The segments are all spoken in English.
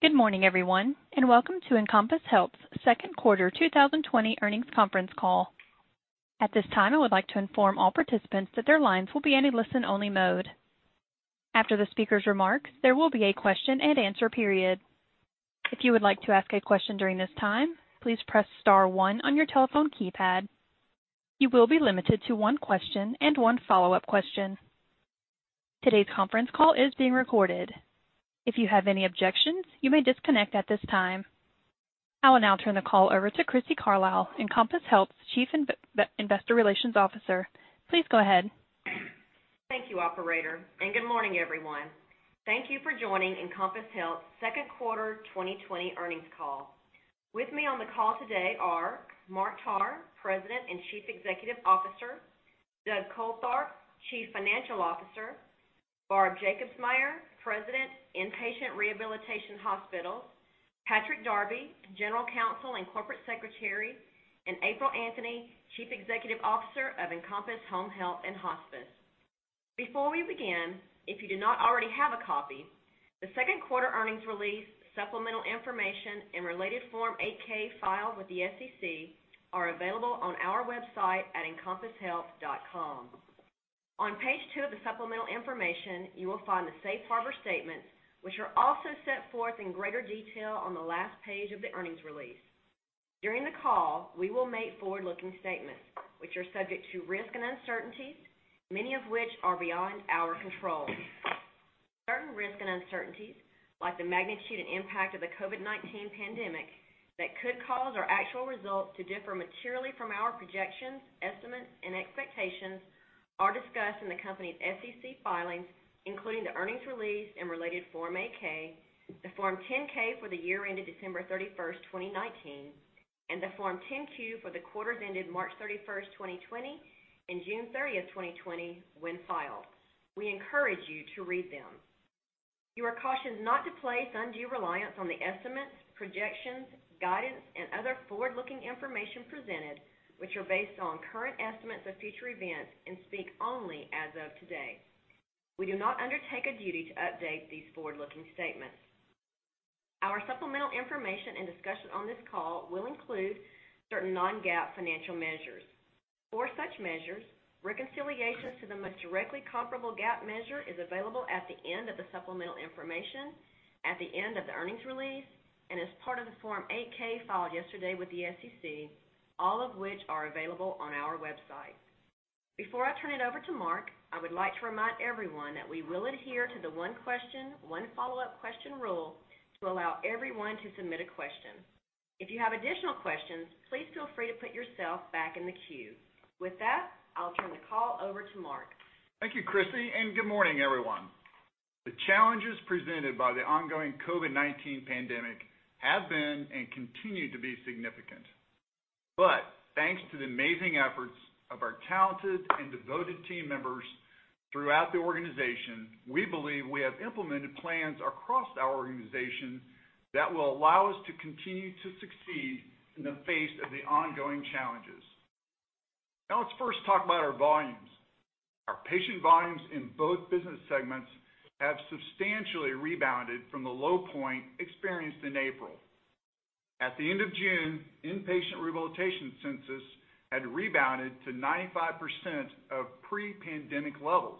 Good morning, everyone, and welcome to Encompass Health second quarter 2020 earnings conference call. At this time, I would like to inform all participants that their lines will be in a listen-only mode. After the speaker's remarks, there will be a question and answer period. If you would like to ask a question during this time, please press star one on your telephone keypad. You will be limited to one question and one follow-up question. Today's conference call is being recorded. If you have any objections, you may disconnect at this time. I will now turn the call over to Crissy Carlisle, Encompass Health Chief Investor Relations Officer. Please go ahead. Thank you, operator, good morning, everyone. Thank you for joining Encompass Health second quarter 2020 earnings call. With me on the call today are Mark Tarr, President and Chief Executive Officer, Doug Coltharp, Chief Financial Officer, Barb Jacobsmeyer, President, Inpatient Rehabilitation Hospitals, Patrick Darby General Counsel and Corporate Secretary, and April Anthony, Chief Executive Officer of Encompass Home Health and Hospice. Before we begin, if you do not already have a copy, the second quarter earnings release, supplemental information and related Form 8-K filed with the SEC are available on our website at encompasshealth.com. On page two of the supplemental information, you will find the safe harbor statement, which are also set forth in greater detail on the last page of the earnings release. During the call, we will make forward-looking statements, which are subject to risks and uncertainties, many of which are beyond our control. Certain risks and uncertainties, like the magnitude and impact of the COVID-19 pandemic, that could cause our actual results to differ materially from our projections, estimates, and expectations are discussed in the company's SEC filings, including the earnings release and related Form 8-K, the Form 10-K for the year ended December 31st, 2019, and the Form 10-Q for the quarters ended March 31st, 2020, and June 30th, 2020, when filed. We encourage you to read them. You are cautioned not to place undue reliance on the estimates, projections, guidance, and other forward-looking information presented, which are based on current estimates of future events and speak only as of today. We do not undertake a duty to update these forward-looking statements. Our supplemental information and discussion on this call will include certain non-GAAP financial measures. For such measures, reconciliations to the most directly comparable GAAP measure is available at the end of the supplemental information, at the end of the earnings release, and as part of the Form 8-K filed yesterday with the SEC, all of which are available on our website. Before I turn it over to Mark, I would like to remind everyone that we will adhere to the one question, one follow-up question rule to allow everyone to submit a question. If you have additional questions, please feel free to put yourself back in the queue. With that, I'll turn the call over to Mark. Thank you, Crissy, good morning, everyone. The challenges presented by the ongoing COVID-19 pandemic have been and continue to be significant. Thanks to the amazing efforts of our talented and devoted team members throughout the organization, we believe we have implemented plans across our organization that will allow us to continue to succeed in the face of the ongoing challenges. Let's first talk about our volumes. Our patient volumes in both business segments have substantially rebounded from the low point experienced in April. At the end of June, inpatient rehabilitation census had rebounded to 95% of pre-pandemic levels,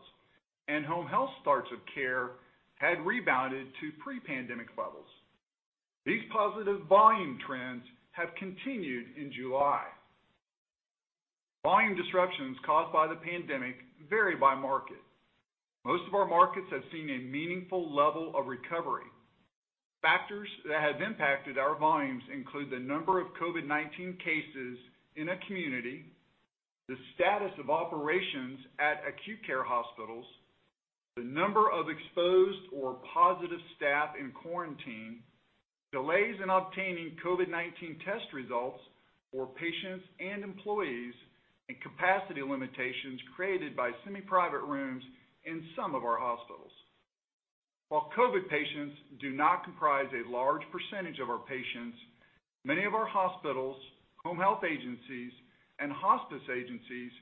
and home health starts of care had rebounded to pre-pandemic levels. These positive volume trends have continued in July. Volume disruptions caused by the pandemic vary by market. Most of our markets have seen a meaningful level of recovery. Factors that have impacted our volumes include the number of COVID-19 cases in a community, the status of operations at acute care hospitals, the number of exposed or positive staff in quarantine, delays in obtaining COVID-19 test results for patients and employees, and capacity limitations created by semi-private rooms in some of our hospitals. While COVID patients do not comprise a large percentage of our patients, many of our hospitals, home health agencies, and hospice agencies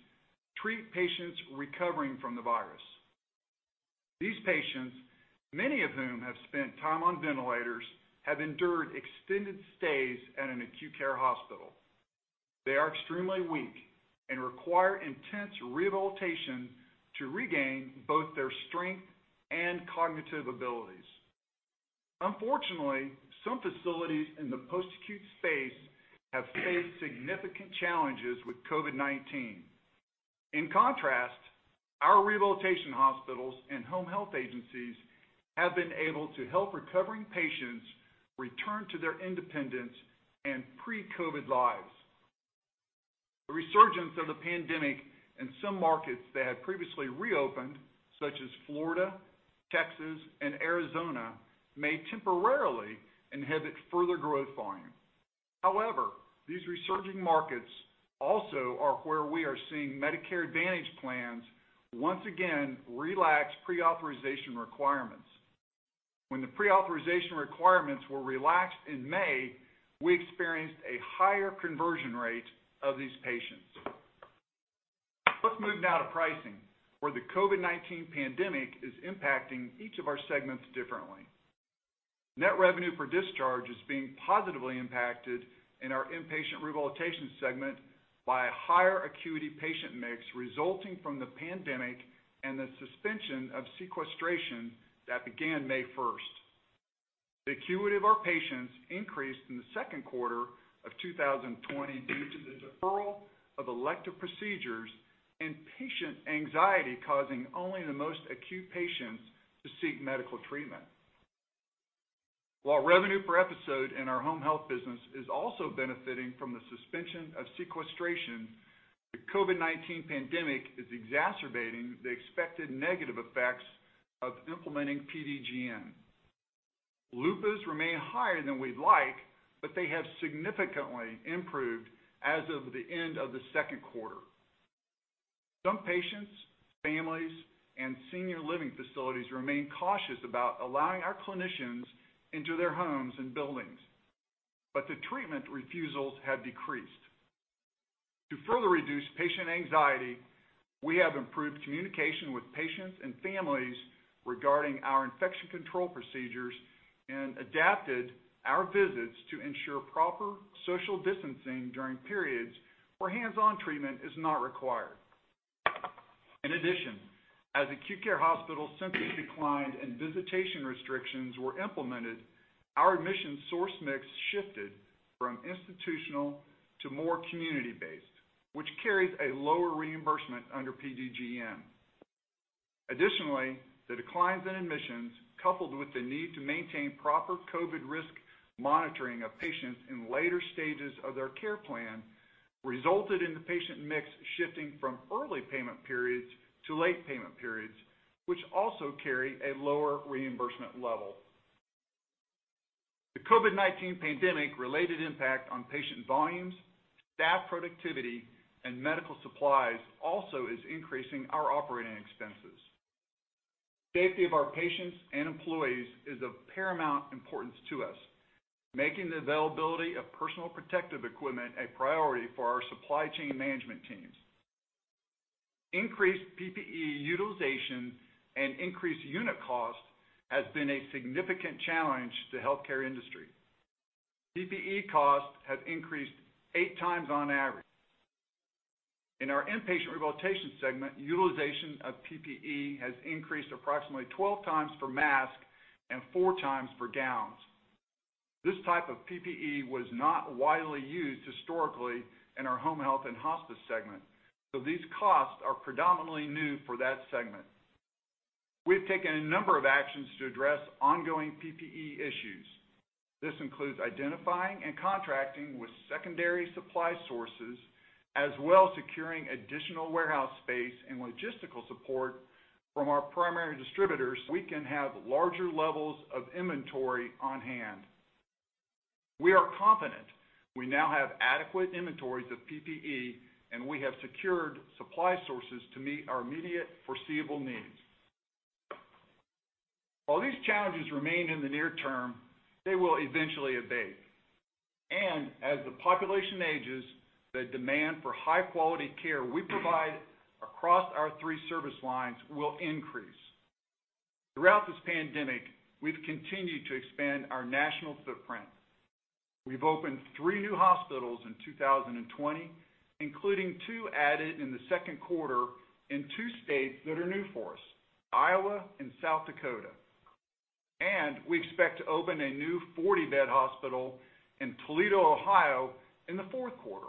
treat patients recovering from the virus. These patients, many of whom have spent time on ventilators, have endured extended stays at an acute care hospital. They are extremely weak and require intense rehabilitation to regain both their strength and cognitive abilities. Unfortunately, some facilities in the post-acute space have faced significant challenges with COVID-19. In contrast, our rehabilitation hospitals and home health agencies have been able to help recovering patients return to their independence and pre-COVID lives. These resurging markets also are where we are seeing Medicare Advantage plans once again relax pre-authorization requirements. When the pre-authorization requirements were relaxed in May, we experienced a higher conversion rate of these patients. Let's move now to pricing, where the COVID-19 pandemic is impacting each of our segments differently. Net revenue per discharge is being positively impacted in our inpatient rehabilitation segment by a higher acuity patient mix resulting from the pandemic and the suspension of sequestration that began May 1st. The acuity of our patients increased in the second quarter of 2020 due to the deferral of elective procedures and patient anxiety causing only the most acute patients to seek medical treatment. While revenue per episode in our home health business is also benefiting from the suspension of sequestration, the COVID-19 pandemic is exacerbating the expected negative effects of implementing PDGM. LUPAs remain higher than we'd like, but they have significantly improved as of the end of the second quarter. Some patients, families, and senior living facilities remain cautious about allowing our clinicians into their homes and buildings, but the treatment refusals have decreased. To further reduce patient anxiety, we have improved communication with patients and families regarding our infection control procedures and adapted our visits to ensure proper social distancing during periods where hands-on treatment is not required. In addition, as acute care hospital census declined and visitation restrictions were implemented, our admission source mix shifted from institutional to more community-based, which carries a lower reimbursement under PDGM. Additionally, the declines in admissions, coupled with the need to maintain proper COVID risk monitoring of patients in later stages of their care plan, resulted in the patient mix shifting from early payment periods to late payment periods, which also carry a lower reimbursement level. The COVID-19 pandemic related impact on patient volumes, staff productivity, and medical supplies also is increasing our operating expenses. Safety of our patients and employees is of paramount importance to us, making the availability of personal protective equipment a priority for our supply chain management teams. Increased PPE utilization and increased unit cost has been a significant challenge to the healthcare industry. PPE costs have increased eight times on average. In our Inpatient Rehabilitation segment, utilization of PPE has increased approximately 12x for masks and 4x for gowns. This type of PPE was not widely used historically in our Home Health and Hospice segment, so these costs are predominantly new for that segment. We've taken a number of actions to address ongoing PPE issues. This includes identifying and contracting with secondary supply sources, as well as securing additional warehouse space and logistical support from our primary distributors so we can have larger levels of inventory on hand. We are confident we now have adequate inventories of PPE, and we have secured supply sources to meet our immediate foreseeable needs. While these challenges remain in the near term, they will eventually abate. As the population ages, the demand for high-quality care we provide across our three service lines will increase. Throughout this pandemic, we've continued to expand our national footprint. We've opened three new hospitals in 2020, including two added in the second quarter in two states that are new for us, Iowa and South Dakota. We expect to open a new 40-bed hospital in Toledo, Ohio in the fourth quarter.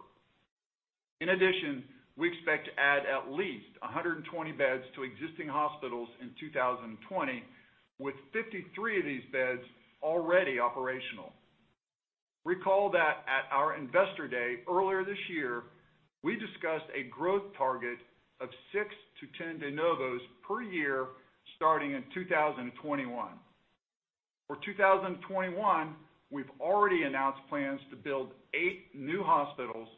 In addition, we expect to add at least 120 beds to existing hospitals in 2020, with 53 of these beds already operational. Recall that at our Investor Day earlier this year, we discussed a growth target of 6-10 de novos per year starting in 2021. For 2021, we've already announced plans to build eight new hospitals,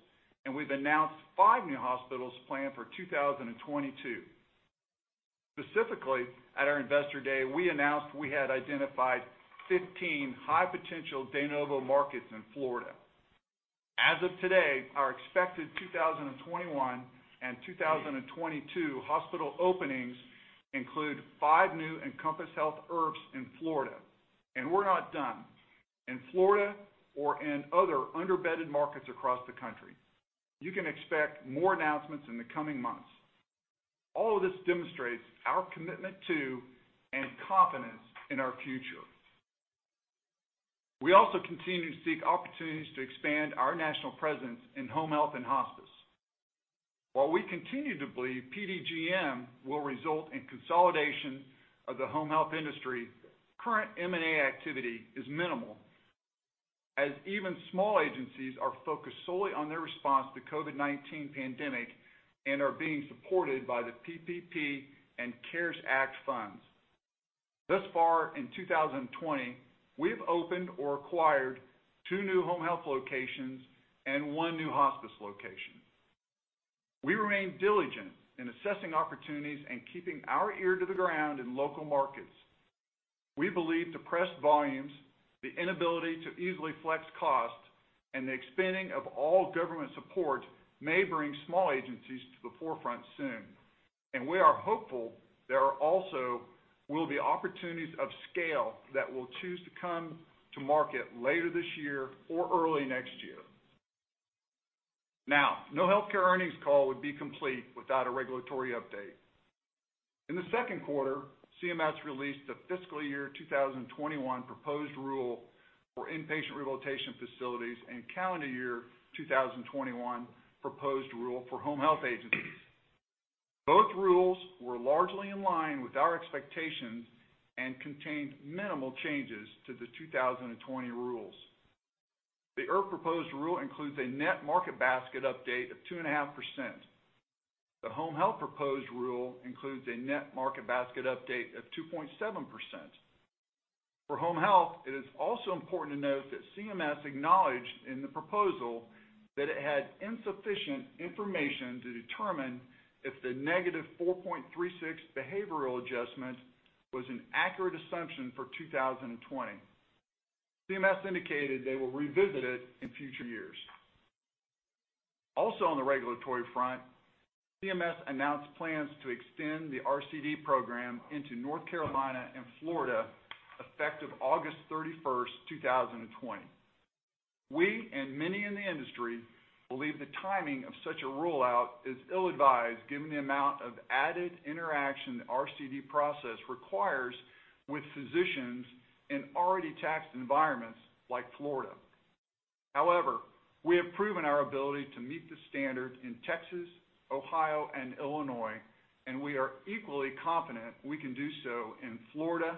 and we've announced five new hospitals planned for 2022. Specifically, at our Investor Day, we announced we had identified 15 high-potential de novo markets in Florida. As of today, our expected 2021 and 2022 hospital openings include five new Encompass Health IRFs in Florida, and we're not done in Florida or in other under-bedded markets across the country. You can expect more announcements in the coming months. All of this demonstrates our commitment to and confidence in our future. We also continue to seek opportunities to expand our national presence in home health and hospice. While we continue to believe PDGM will result in consolidation of the home health industry, current M&A activity is minimal, as even small agencies are focused solely on their response to COVID-19 pandemic and are being supported by the PPP and CARES Act funds. Thus far in 2020, we've opened or acquired two new home health locations and one new hospice location. We remain diligent in assessing opportunities and keeping our ear to the ground in local markets. We believe depressed volumes, the inability to easily flex cost, and the expanding of all government support may bring small agencies to the forefront soon. We are hopeful there also will be opportunities of scale that will choose to come to market later this year or early next year. No healthcare earnings call would be complete without a regulatory update. In the second quarter, CMS released the fiscal year 2021 proposed rule for inpatient rehabilitation facilities and calendar year 2021 proposed rule for home health agencies. Both rules were largely in line with our expectations and contained minimal changes to the 2020 rules. The IRF proposed rule includes a net market basket update of 2.5%. The home health proposed rule includes a net market basket update of 2.7%. For home health, it is also important to note that CMS acknowledged in the proposal that it had insufficient information to determine if the -4.36 behavioral adjustment was an accurate assumption for 2020. CMS indicated they will revisit it in future years. Also, on the regulatory front, CMS announced plans to extend the RCD program into North Carolina and Florida, effective August 31st, 2020. We, and many in the industry, believe the timing of such a rollout is ill-advised given the amount of added interaction the RCD process requires with physicians in already taxed environments like Florida. However, we have proven our ability to meet the standard in Texas, Ohio, and Illinois, and we are equally confident we can do so in Florida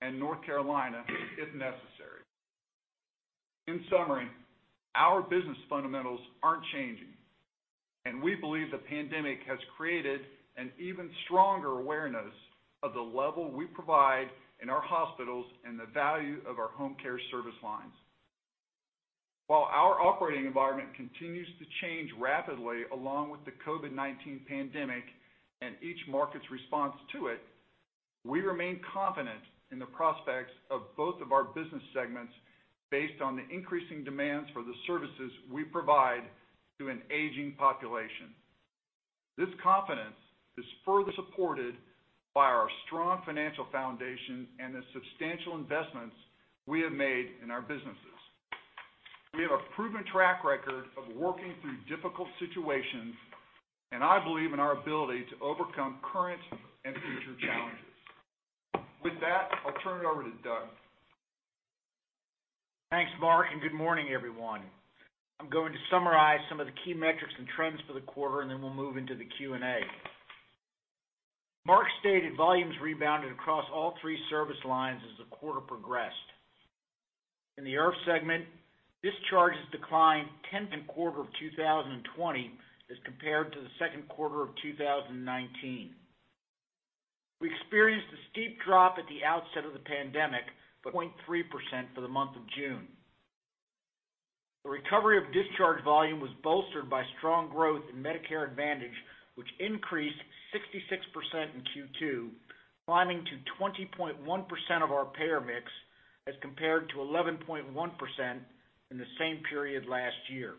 and North Carolina if necessary. In summary, our business fundamentals aren't changing, and we believe the pandemic has created an even stronger awareness of the level we provide in our hospitals and the value of our home care service lines. While our operating environment continues to change rapidly, along with the COVID-19 pandemic and each market's response to it, we remain confident in the prospects of both of our business segments based on the increasing demands for the services we provide to an aging population. This confidence is further supported by our strong financial foundation and the substantial investments we have made in our businesses. We have a proven track record of working through difficult situations, and I believe in our ability to overcome current and future challenges. With that, I'll turn it over to Doug. Thanks, Mark, and good morning, everyone. I'm going to summarize some of the key metrics and trends for the quarter, and then we'll move into the Q&A. Mark stated volumes rebounded across all three service lines as the quarter progressed. In the IRF segment, discharges declined 10% in quarter of 2020 as compared to the second quarter of 2019. We experienced a steep drop at the outset of the pandemic, but 0.3% for the month of June. The recovery of discharge volume was bolstered by strong growth in Medicare Advantage, which increased 66% in Q2, climbing to 20.1% of our payer mix as compared to 11.1% in the same period last year.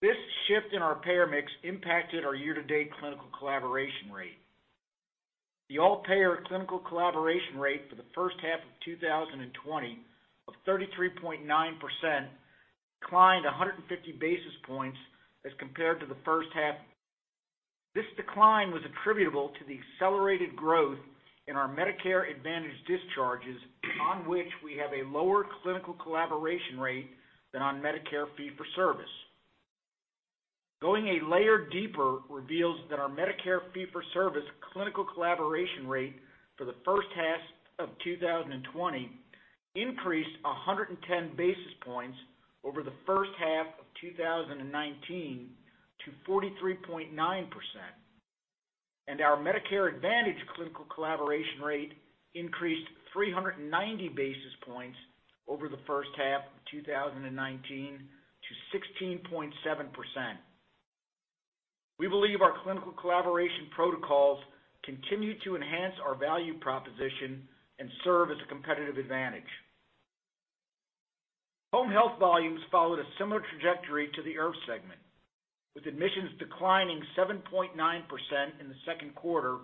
This shift in our payer mix impacted our year-to-date clinical collaboration rate. The all-payer clinical collaboration rate for the first half of 2020 of 33.9% declined 150 basis points as compared to the first half. This decline was attributable to the accelerated growth in our Medicare Advantage discharges, on which we have a lower clinical collaboration rate than on Medicare fee-for-service. Going a layer deeper reveals that our Medicare fee-for-service clinical collaboration rate for the first half of 2020 increased 110 basis points over the first half of 2019 to 43.9%, and our Medicare Advantage clinical collaboration rate increased 390 basis points over the first half of 2019 to 16.7%. We believe our clinical collaboration protocols continue to enhance our value proposition and serve as a competitive advantage. Home health volumes followed a similar trajectory to the IRF segment, with admissions declining 7.9% in the second quarter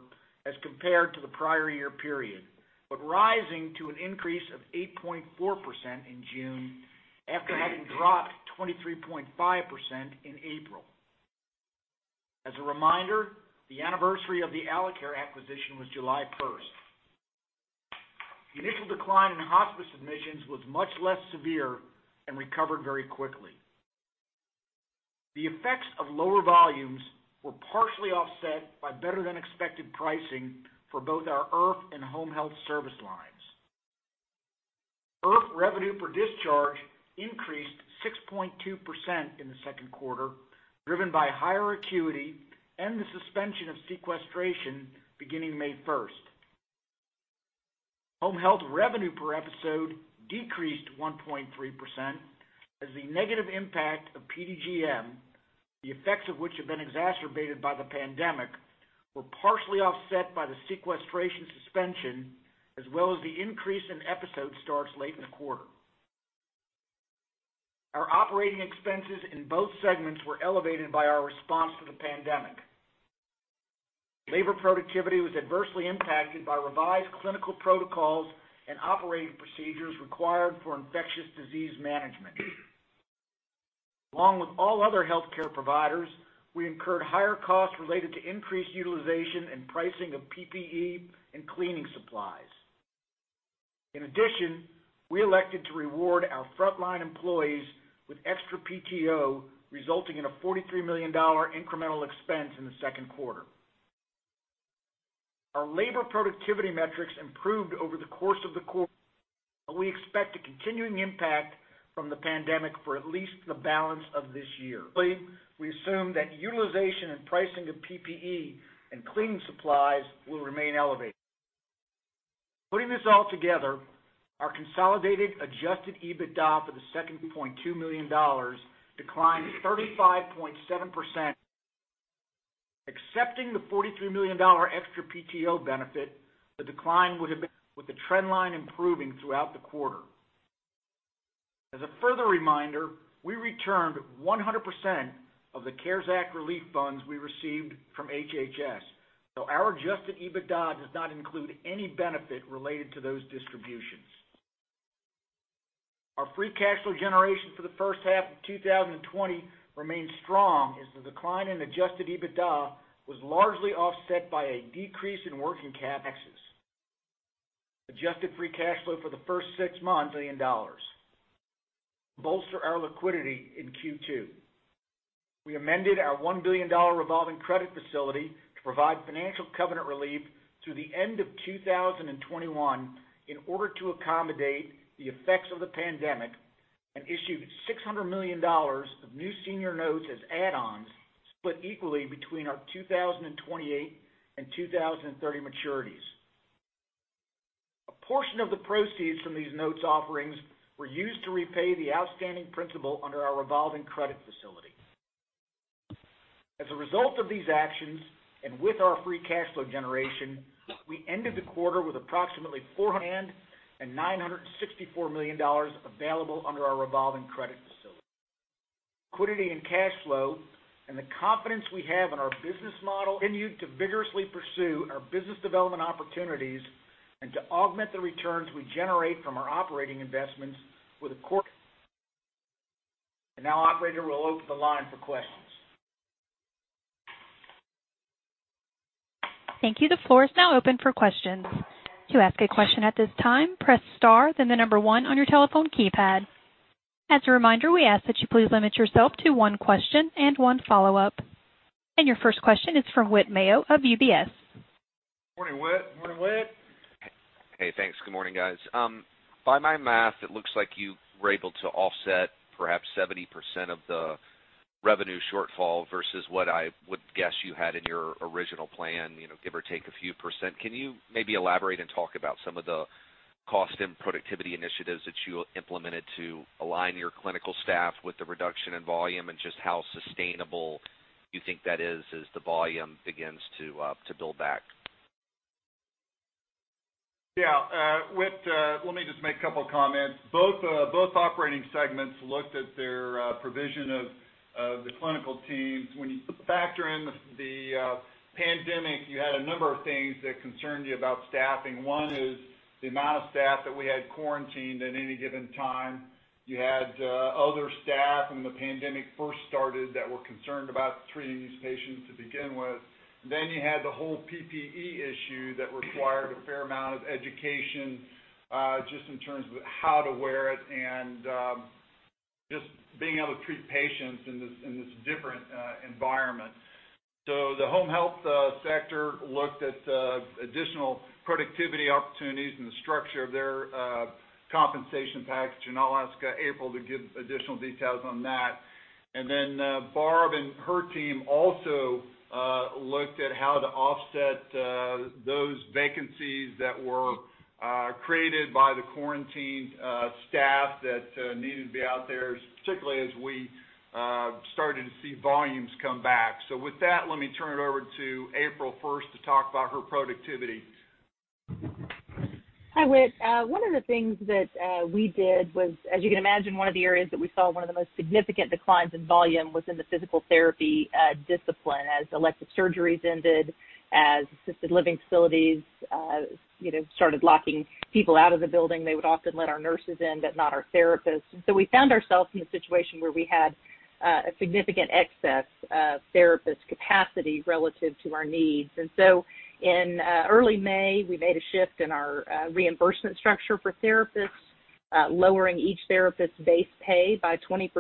as compared to the prior year period, but rising to an increase of 8.4% in June after having dropped 23.5% in April. As a reminder, the anniversary of the Alacare acquisition was July 1st. The initial decline in hospice admissions was much less severe and recovered very quickly. The effects of lower volumes were partially offset by better than expected pricing for both our IRF and home health service lines. IRF revenue per discharge increased 6.2% in the second quarter, driven by higher acuity and the suspension of sequestration beginning May 1st. Home health revenue per episode decreased 1.3% as the negative impact of PDGM, the effects of which have been exacerbated by the pandemic, were partially offset by the sequestration suspension, as well as the increase in episode starts late in the quarter. Our operating expenses in both segments were elevated by our response to the pandemic. Labor productivity was adversely impacted by revised clinical protocols and operating procedures required for infectious disease management. Along with all other healthcare providers, we incurred higher costs related to increased utilization and pricing of PPE and cleaning supplies. In addition, we elected to reward our frontline employees with extra PTO, resulting in a $43 million incremental expense in the second quarter. Our labor productivity metrics improved over the course of the quarter. We expect a continuing impact from the pandemic for at least the balance of this year. We assume that utilization and pricing of PPE and cleaning supplies will remain elevated. Putting this all together, our consolidated adjusted EBITDA for the second quarter of $2.2 million, declined 35.7%. Excepting the $43 million extra PTO benefit, the decline would have been, with the trend line improving throughout the quarter. As a further reminder, we returned 100% of the CARES Act relief funds we received from HHS, so our adjusted EBITDA does not include any benefit related to those distributions. Our free cash flow generation for the first half of 2020 remains strong as the decline in adjusted EBITDA was largely offset by a decrease in working capital expenses. Adjusted free cash flow for the first six months, $1 million. To bolster our liquidity in Q2, we amended our $1 billion revolving credit facility to provide financial covenant relief through the end of 2021 in order to accommodate the effects of the pandemic, and issued $600 million of new senior notes as add-ons, split equally between our 2028 and 2030 maturities. A portion of the proceeds from these notes offerings were used to repay the outstanding principal under our revolving credit facility. As a result of these actions, and with our free cash flow generation, we ended the quarter with approximately $419 million of cash on hand and $964 million available under our revolving credit facility. Liquidity and cash flow, and the confidence we have in our business model, continued to vigorously pursue our business development opportunities and to augment the returns we generate from our operating investments. Now operator, we'll open the line for questions. Thank you. The floor is now open for questions. To ask a question at this time, press star, then the number one on your telephone keypad. As a reminder, we ask that you please limit yourself to one question and one follow-up. Your first question is from Whit Mayo of UBS. Morning, Whit. Hey, thanks. Good morning, guys. By my math, it looks like you were able to offset perhaps 70% of the revenue shortfall versus what I would guess you had in your original plan, give or take a few percent. Can you maybe elaborate and talk about some of the cost and productivity initiatives that you implemented to align your clinical staff with the reduction in volume and just how sustainable you think that is as the volume begins to build back? Whit, let me just make a couple of comments. Both operating segments looked at their provision of the clinical teams. When you factor in the pandemic, you had a number of things that concerned you about staffing. One is the amount of staff that we had quarantined at any given time. You had other staff when the pandemic first started that were concerned about treating these patients to begin with. You had the whole PPE issue that required a fair amount of education, just in terms of how to wear it and just being able to treat patients in this different environment. The home health sector looked at additional productivity opportunities and the structure of their compensation package, and I'll ask April to give additional details on that. Barb and her team also looked at how to offset those vacancies that were created by the quarantined staff that needed to be out there, particularly as we started to see volumes come back. With that, let me turn it over to April first to talk about her productivity. Hi, Whit. One of the things that we did was, as you can imagine, one of the areas that we saw one of the most significant declines in volume was in the physical therapy discipline. As elective surgeries ended, as assisted living facilities started locking people out of the building, they would often let our nurses in, but not our therapists. We found ourselves in a situation where we had a significant excess of therapist capacity relative to our needs. In early May, we made a shift in our reimbursement structure for therapists, lowering each therapist's base pay by 20%,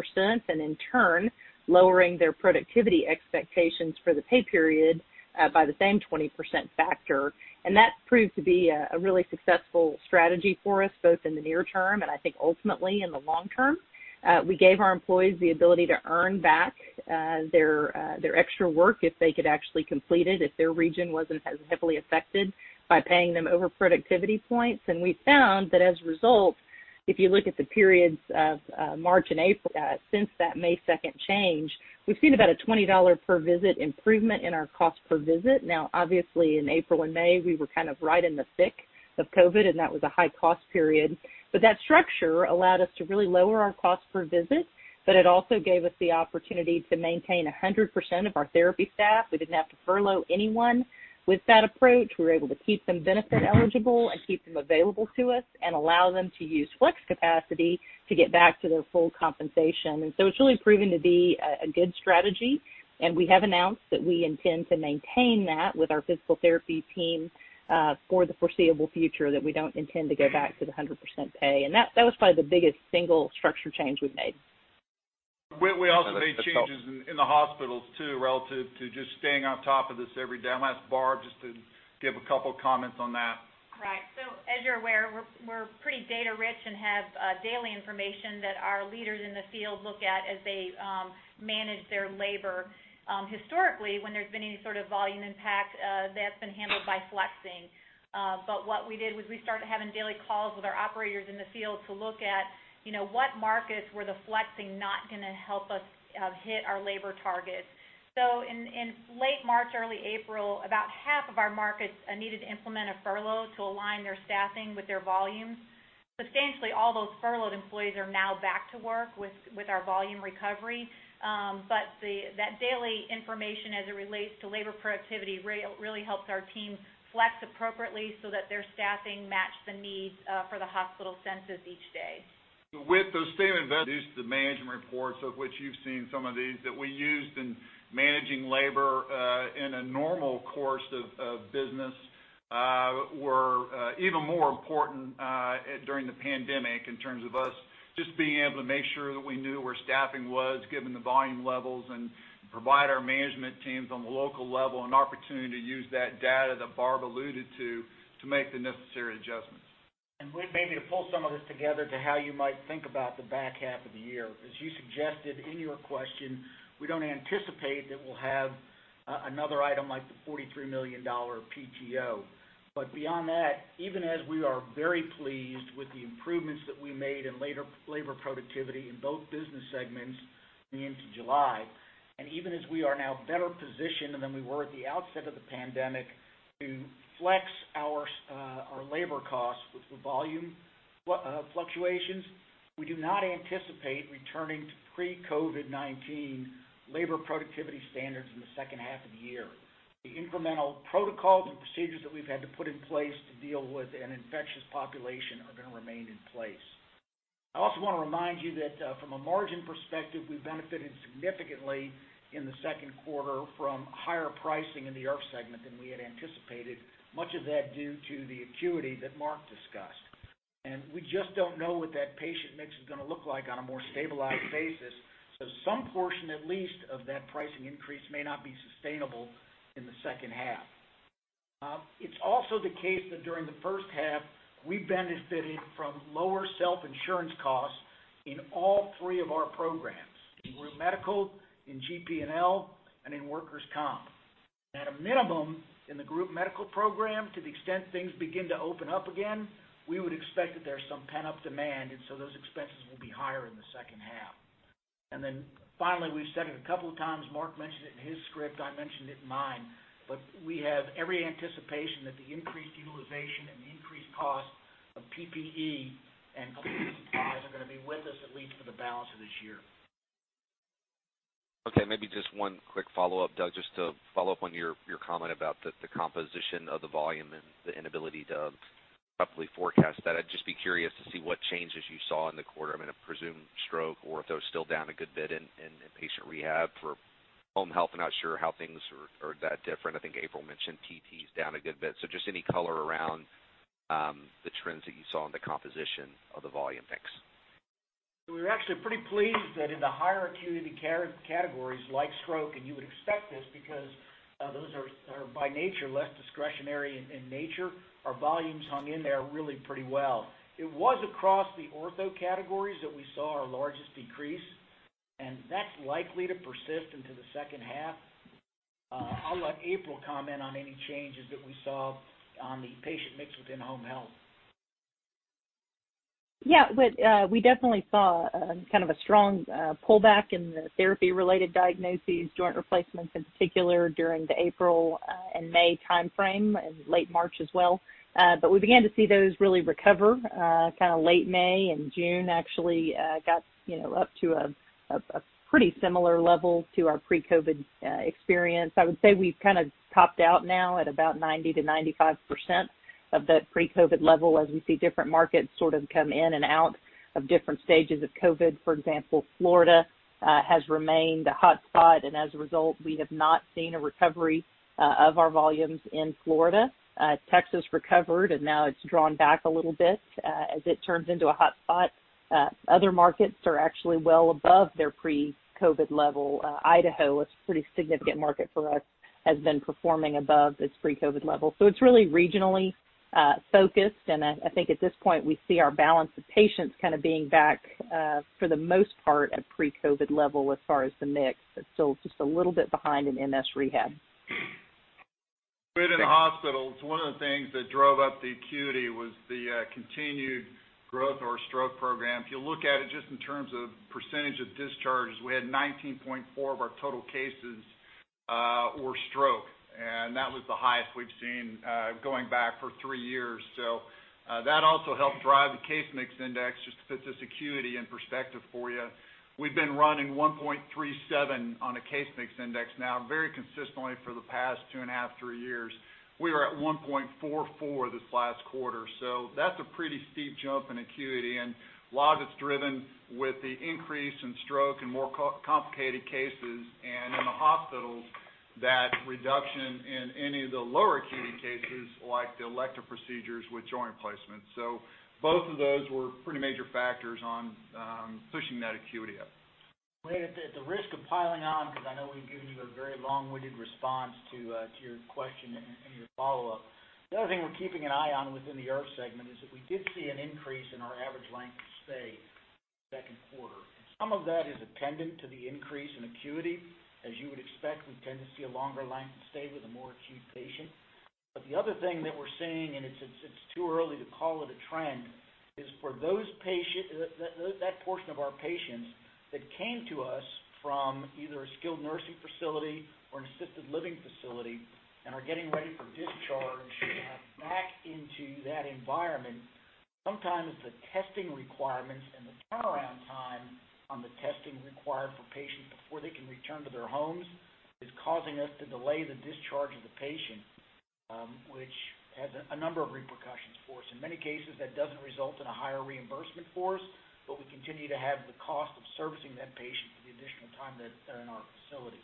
and in turn, lowering their productivity expectations for the pay period by the same 20% factor. That proved to be a really successful strategy for us, both in the near term and I think ultimately in the long term. We gave our employees the ability to earn back their extra work if they could actually complete it, if their region wasn't as heavily affected by paying them overproductivity points. We found that as a result, if you look at the periods of March and April, since that May 2nd change, we've seen about a $20 per visit improvement in our cost per visit. Obviously, in April and May, we were right in the thick of COVID, and that was a high-cost period. That structure allowed us to really lower our cost per visit, but it also gave us the opportunity to maintain 100% of our therapy staff. We didn't have to furlough anyone with that approach. We were able to keep them benefit eligible and keep them available to us and allow them to use flex capacity to get back to their full compensation. It's really proven to be a good strategy, and we have announced that we intend to maintain that with our physical therapy team, for the foreseeable future, that we don't intend to go back to the 100% pay. That was probably the biggest single structure change we've made. We also made changes in the hospitals too, relative to just staying on top of this every day. I'll ask Barb just to give a couple of comments on that. Right. As you're aware, we're pretty data rich and have daily information that our leaders in the field look at as they manage their labor. Historically, when there's been any sort of volume impact, that's been handled by flexing. What we did was we started having daily calls with our operators in the field to look at what markets were the flexing not going to help us hit our labor targets. In late March, early April, about half of our markets needed to implement a furlough to align their staffing with their volumes. Substantially all those furloughed employees are now back to work with our volume recovery. That daily information as it relates to labor productivity really helps our team flex appropriately so that their staffing match the needs for the hospital census each day. With those same These are the management reports of which you've seen some of these, that we used in managing labor, in a normal course of business, were even more important during the pandemic in terms of us just being able to make sure that we knew where staffing was given the volume levels and provide our management teams on the local level an opportunity to use that data that Barb alluded to make the necessary adjustments. Maybe to pull some of this together to how you might think about the back half of the year. As you suggested in your question, we don't anticipate that we'll have another item like the $43 million PTO. Beyond that, even as we are very pleased with the improvements that we made in labor productivity in both business segments coming into July, and even as we are now better positioned than we were at the outset of the pandemic to flex our labor costs with the volume fluctuations, we do not anticipate returning to pre-COVID-19 labor productivity standards in the second half of the year. The incremental protocols and procedures that we've had to put in place to deal with an infectious population are going to remain in place. I also want to remind you that, from a margin perspective, we benefited significantly in the second quarter from higher pricing in the IRF segment than we had anticipated, much of that due to the acuity that Mark discussed. We just don't know what that patient mix is going to look like on a more stabilized basis. Some portion, at least, of that pricing increase may not be sustainable in the second half. It's also the case that during the first half, we benefited from lower self-insurance costs in all three of our programs, in group medical, in GP&L, and in workers' comp. At a minimum, in the Group Medical program, to the extent things begin to open up again, we would expect that there's some pent-up demand, and so those expenses will be higher in the second half. Finally, we've said it a couple of times, Mark mentioned it in his script, I mentioned it in mine, but we have every anticipation that the increased utilization and the increased cost of PPE and supplies are going to be with us at least for the balance of this year. Maybe just one quick follow-up, Doug, just to follow up on your comment about the composition of the volume and the inability to roughly forecast that. I'd just be curious to see what changes you saw in the quarter. I'm going to presume stroke, ortho's still down a good bit in inpatient rehab. For home health, I'm not sure how things are that different. I think April mentioned PT's down a good bit. Just any color around the trends that you saw in the composition of the volume mix. We're actually pretty pleased that in the higher acuity care categories like stroke, and you would expect this because those are by nature less discretionary in nature, our volumes hung in there really pretty well. It was across the ortho categories that we saw our largest decrease, and that's likely to persist into the second half. I'll let April comment on any changes that we saw on the patient mix within home health. Yeah. We definitely saw kind of a strong pullback in the therapy-related diagnoses, joint replacements in particular during the April and May timeframe, and late March as well. We began to see those really recover kind of late May, and June actually got up to a pretty similar level to our pre-COVID experience. I would say we've kind of topped out now at about 90%-95% of the pre-COVID level as we see different markets sort of come in and out of different stages of COVID. For example, Florida has remained a hotspot, and as a result, we have not seen a recovery of our volumes in Florida. Texas recovered, and now it's drawn back a little bit as it turns into a hotspot. Other markets are actually well above their pre-COVID level. Idaho, a pretty significant market for us, has been performing above its pre-COVID level. It's really regionally focused, and I think at this point, we see our balance of patients kind of being back, for the most part, at pre-COVID level as far as the mix. It's still just a little bit behind in MS rehab. Bid in the hospitals, one of the things that drove up the acuity was the continued growth of our stroke program. If you look at it just in terms of percentage of discharges, we had 19.4% of our total cases were stroke, and that was the highest we've seen going back for three years. That also helped drive the Case Mix Index, just to put this acuity in perspective for you. We've been running 1.37 on a Case Mix Index now very consistently for the past two and a half, three years. We were at 1.44 this last quarter, so that's a pretty steep jump in acuity, and a lot of it's driven with the increase in stroke and more complicated cases. In the hospitals, that reduction in any of the lower acuity cases, like the elective procedures with joint replacements. Both of those were pretty major factors on pushing that acuity up. Whit, at the risk of piling on, because I know we've given you a very long-winded response to your question and your follow-up. The other thing we're keeping an eye on within the IRF segment is that we did see an increase in our average length of stay second quarter. Some of that is attendant to the increase in acuity. As you would expect, we tend to see a longer length of stay with a more acute patient. The other thing that we're seeing, and it's too early to call it a trend, is for that portion of our patients that came to us from either a skilled nursing facility or an assisted living facility and are getting ready for discharge back into that environment, sometimes the testing requirements and the turnaround time on the testing required for patients before they can return to their homes is causing us to delay the discharge of the patient, which has a number of repercussions for us. In many cases, that doesn't result in a higher reimbursement for us, but we continue to have the cost of servicing that patient for the additional time that they're in our facility.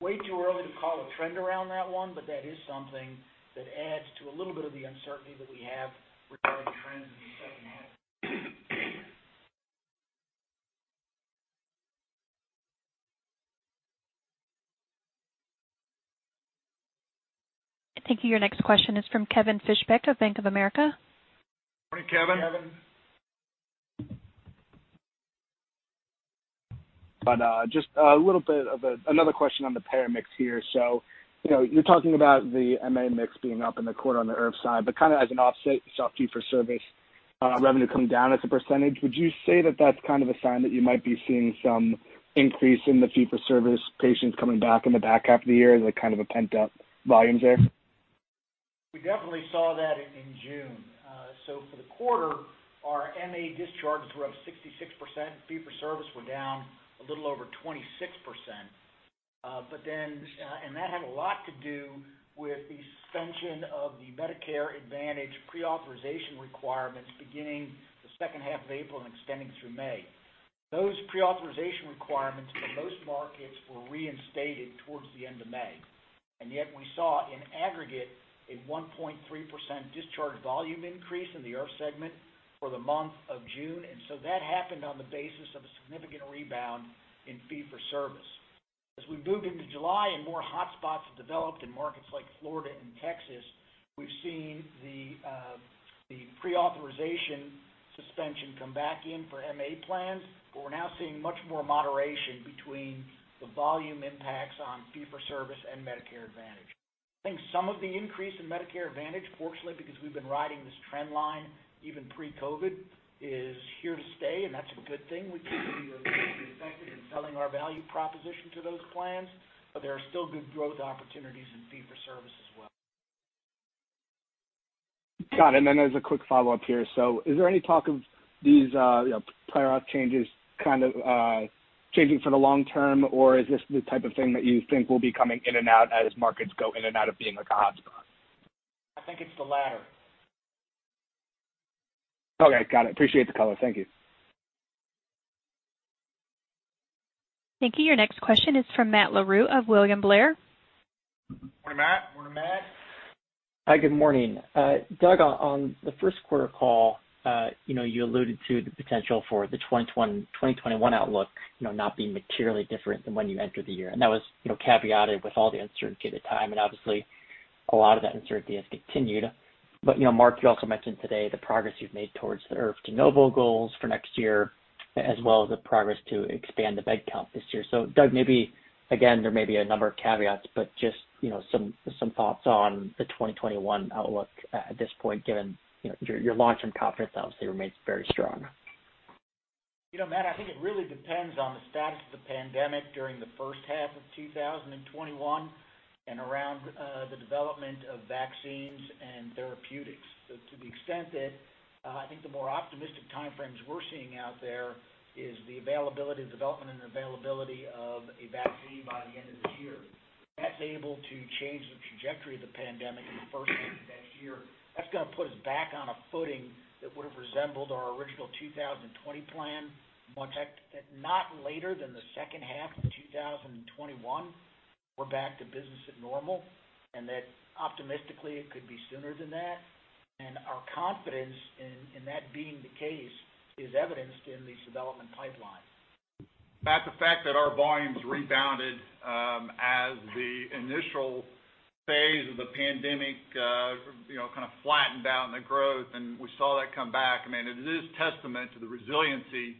Way too early to call a trend around that one, but that is something that adds to a little bit of the uncertainty that we have regarding trends in the second half. Thank you. Your next question is from Kevin Fischbeck of Bank of America. Morning, Kevin. Kevin. Just a little bit of another question on the payer mix here. You're talking about the MA mix being up in the quarter on the IRF side, but kind of as an offset, you saw fee-for-service revenue come down as a percentage. Would you say that that's kind of a sign that you might be seeing some increase in the fee-for-service patients coming back in the back half of the year as a kind of pent-up volumes there? We definitely saw that in June. For the quarter, our MA discharges were up 66%, fee-for-service were down a little over 26%. That had a lot to do with the suspension of the Medicare Advantage pre-authorization requirements beginning the second half of April and extending through May. Those pre-authorization requirements in most markets were reinstated towards the end of May, and yet we saw, in aggregate, a 1.3% discharge volume increase in the IRF segment for the month of June, and so that happened on the basis of a significant rebound in fee-for-service. As we moved into July and more hotspots have developed in markets like Florida and Texas, we've seen the pre-authorization suspension come back in for MA plans, but we're now seeing much more moderation between the volume impacts on fee-for-service and Medicare Advantage. I think some of the increase in Medicare Advantage, fortunately, because we've been riding this trend line, even pre-COVID, is here to stay, and that's a good thing. We've been pretty effective in selling our value proposition to those plans, but there are still good growth opportunities in fee-for-service as well. Got it. As a quick follow-up here, is there any talk of these prior auth changes kind of changing for the long term, or is this the type of thing that you think will be coming in and out as markets go in and out of being like a hotspot? I think it's the latter. Okay. Got it. Appreciate the color. Thank you. Thank you. Your next question is from Matt Larew of William Blair. Morning, Matt. Morning, Matt. Hi, good morning. Doug, on the first quarter call, you alluded to the potential for the 2021 outlook not being materially different than when you entered the year. That was caveated with all the uncertainty at the time, and obviously, a lot of that uncertainty has continued. Mark, you also mentioned today the progress you've made towards the IRF de novo goals for next year, as well as the progress to expand the bed count this year. Doug, maybe again, there may be a number of caveats, but just some thoughts on the 2021 outlook at this point, given your long-term confidence obviously remains very strong? Matt, I think it really depends on the status of the pandemic during the first half of 2021 and around the development of vaccines and therapeutics. To the extent that, I think the more optimistic time frames we're seeing out there is the development and availability of a vaccine by the end of this year. If that's able to change the trajectory of the pandemic in the first half of next year, that's going to put us back on a footing that would have resembled our original 2020 plan, not later than the second half of 2021, we're back to business as normal, and that optimistically, it could be sooner than that. Our confidence in that being the case is evidenced in these development pipelines. Matt, the fact that our volumes rebounded as the initial phase of the pandemic flattened out in the growth, and we saw that come back. It is testament to the resiliency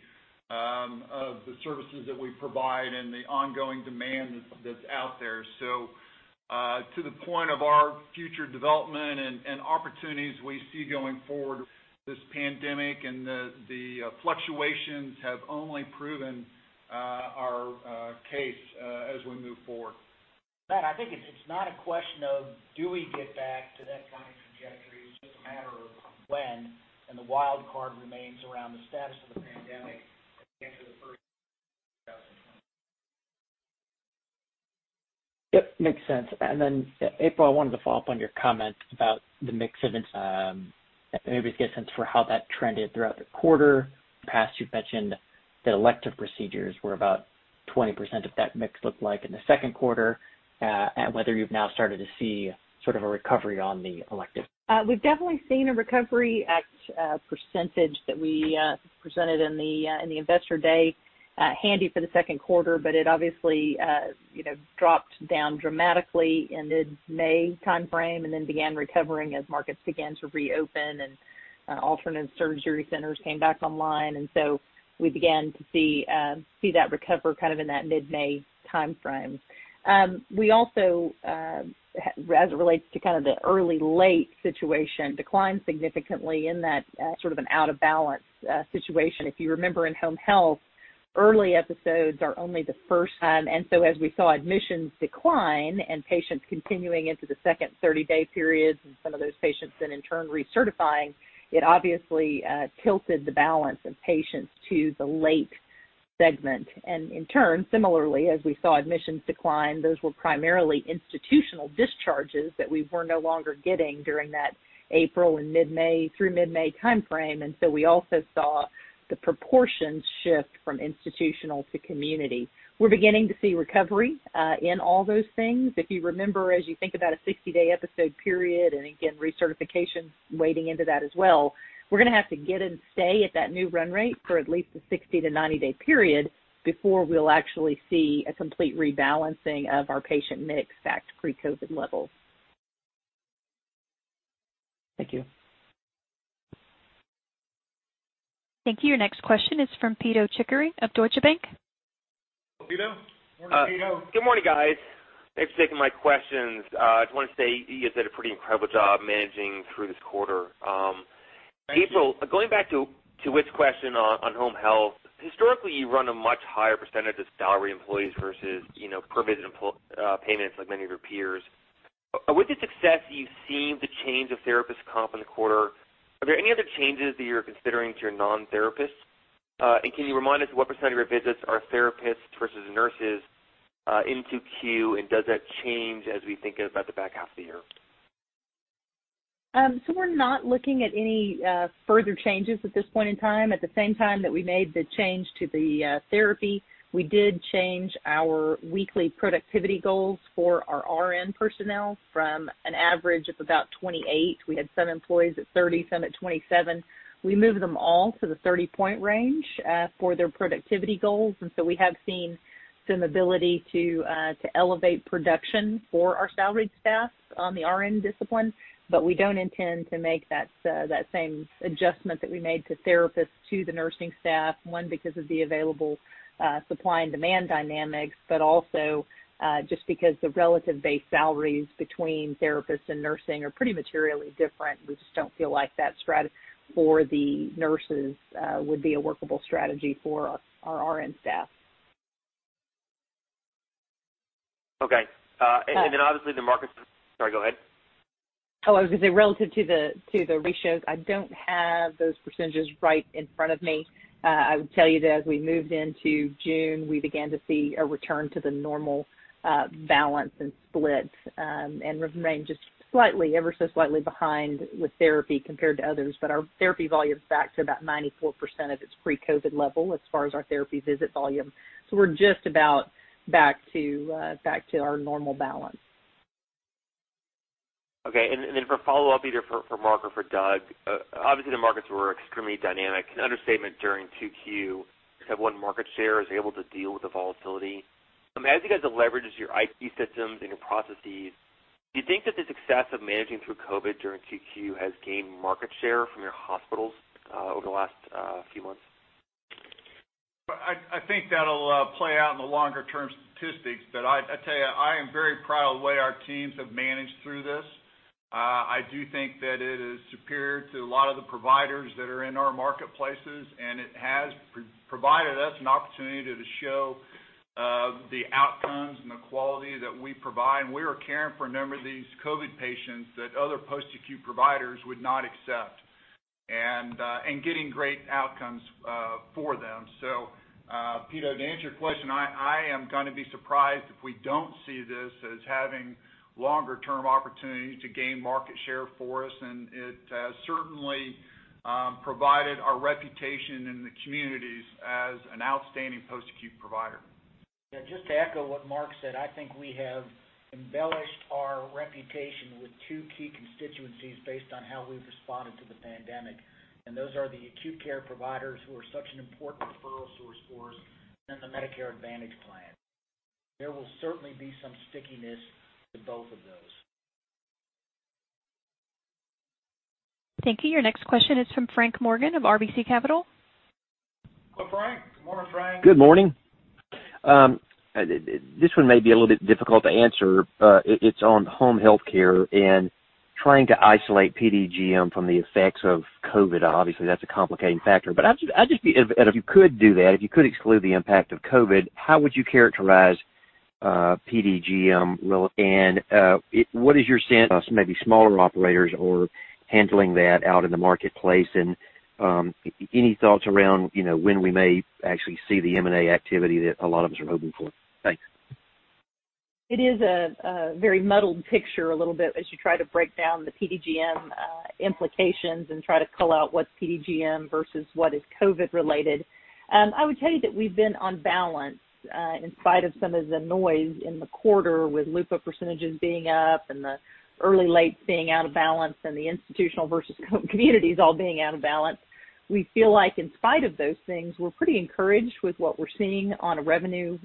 of the services that we provide and the ongoing demand that's out there. To the point of our future development and opportunities we see going forward, this pandemic and the fluctuations have only proven our case as we move forward. Matt, I think it's not a question of do we get back to that kind of trajectory, it's just a matter of when. The wild card remains around the status of the pandemic at the end of the third. Yep, makes sense. April, I wanted to follow up on your comment about the mix of it. Maybe get a sense for how that trended throughout the quarter. In the past, you've mentioned that elective procedures were about 20% of that mix looked like in the second quarter, and whether you've now started to see a recovery on the elective. We've definitely seen a recovery. That percentage that we presented in the Investor Day, handy for the second quarter, but it obviously dropped down dramatically in the May timeframe and then began recovering as markets began to reopen and alternate surgery centers came back online. We began to see that recover in that mid-May timeframe. We also, as it relates to the early, late situation, declined significantly in that sort of an out-of-balance situation. If you remember, in home health, early episodes are only the first. As we saw admissions decline and patients continuing into the second 30-day periods, and some of those patients then in turn recertifying, it obviously tilted the balance of patients to the late segment. In turn, similarly, as we saw admissions decline, those were primarily institutional discharges that we were no longer getting during that April through mid-May timeframe. We also saw the proportions shift from institutional to community. We're beginning to see recovery in all those things. If you remember, as you think about a 60-day episode period, and again, recertification weighting into that as well, we're going to have to get and stay at that new run rate for at least a 60-90 day period before we'll actually see a complete rebalancing of our patient mix back to pre-COVID-19 levels. Thank you. Thank you. Your next question is from Pito Chickering of Deutsche Bank. Pito. Morning, Pito. Good morning, guys. Thanks for taking my questions. I just want to say, you guys did a pretty incredible job managing through this quarter. Thank you. April, going back to Whit's question on home health, historically, you run a much higher percentage of salary employees versus per visit payments like many of your peers. With the success that you've seen with the change of therapist comp in the quarter, are there any other changes that you're considering to your non-therapists? Can you remind us what percentage of your visits are therapists versus nurses in 2Q, and does that change as we think about the back half of the year? We're not looking at any further changes at this point in time. At the same time that we made the change to the therapy, we did change our weekly productivity goals for our RN personnel from an average of about 28. We had some employees at 30, some at 27. We moved them all to the 30-point range for their productivity goals. We have seen some ability to elevate production for our salaried staff on the RN discipline, but we don't intend to make that same adjustment that we made to therapists to the nursing staff, one, because of the available supply and demand dynamics, but also just because the relative base salaries between therapists and nursing are pretty materially different. We just don't feel like that strategy for the nurses would be a workable strategy for our RN staff. Okay. Sorry, go ahead. Oh, I was going to say, relative to the ratios, I don't have those percentages right in front of me. I would tell you that as we moved into June, we began to see a return to the normal balance and split, and remain just ever so slightly behind with therapy compared to others. Our therapy volume is back to about 94% of its pre-COVID level, as far as our therapy visit volume. We're just about back to our normal balance. Okay. Then for a follow-up, either for Mark or for Doug, obviously the markets were extremely dynamic, an understatement during 2Q. Have one market share is able to deal with the volatility. As you guys have leveraged your IT systems and your processes, do you think that the success of managing through COVID during 2Q has gained market share from your hospitals over the last few months? I think that'll play out in the longer-term statistics. I tell you, I am very proud of the way our teams have managed through this. I do think that it is superior to a lot of the providers that are in our marketplaces, and it has provided us an opportunity to show the outcomes and the quality that we provide. We are caring for a number of these COVID-19 patients that other post-acute providers would not accept, and getting great outcomes for them. Pito, to answer your question, I am going to be surprised if we don't see this as having longer-term opportunities to gain market share for us, and it has certainly provided our reputation in the communities as an outstanding post-acute provider. Yeah, just to echo what Mark said, I think we have embellished our reputation with two key constituencies based on how we've responded to the pandemic. Those are the acute care providers who are such an important referral source for us, and the Medicare Advantage plan. There will certainly be some stickiness to both of those. Thank you. Your next question is from Frank Morgan of RBC Capital. Hello, Frank. Good morning, Frank. Good morning. This one may be a little bit difficult to answer. It's on home healthcare and trying to isolate PDGM from the effects of COVID. Obviously, that's a complicating factor. If you could do that, if you could exclude the impact of COVID, how would you characterize PDGM? What is your sense of maybe smaller operators or handling that out in the marketplace? Any thoughts around when we may actually see the M&A activity that a lot of us are hoping for? Thanks. It is a very muddled picture a little bit as you try to break down the PDGM implications and try to call out what's PDGM versus what is COVID related. I would tell you that we've been on balance, in spite of some of the noise in the quarter with LUPA percentage being up and the early late being out of balance and the institutional versus communities all being out of balance. We feel like in spite of those things, we're pretty encouraged with what we're seeing on a revenue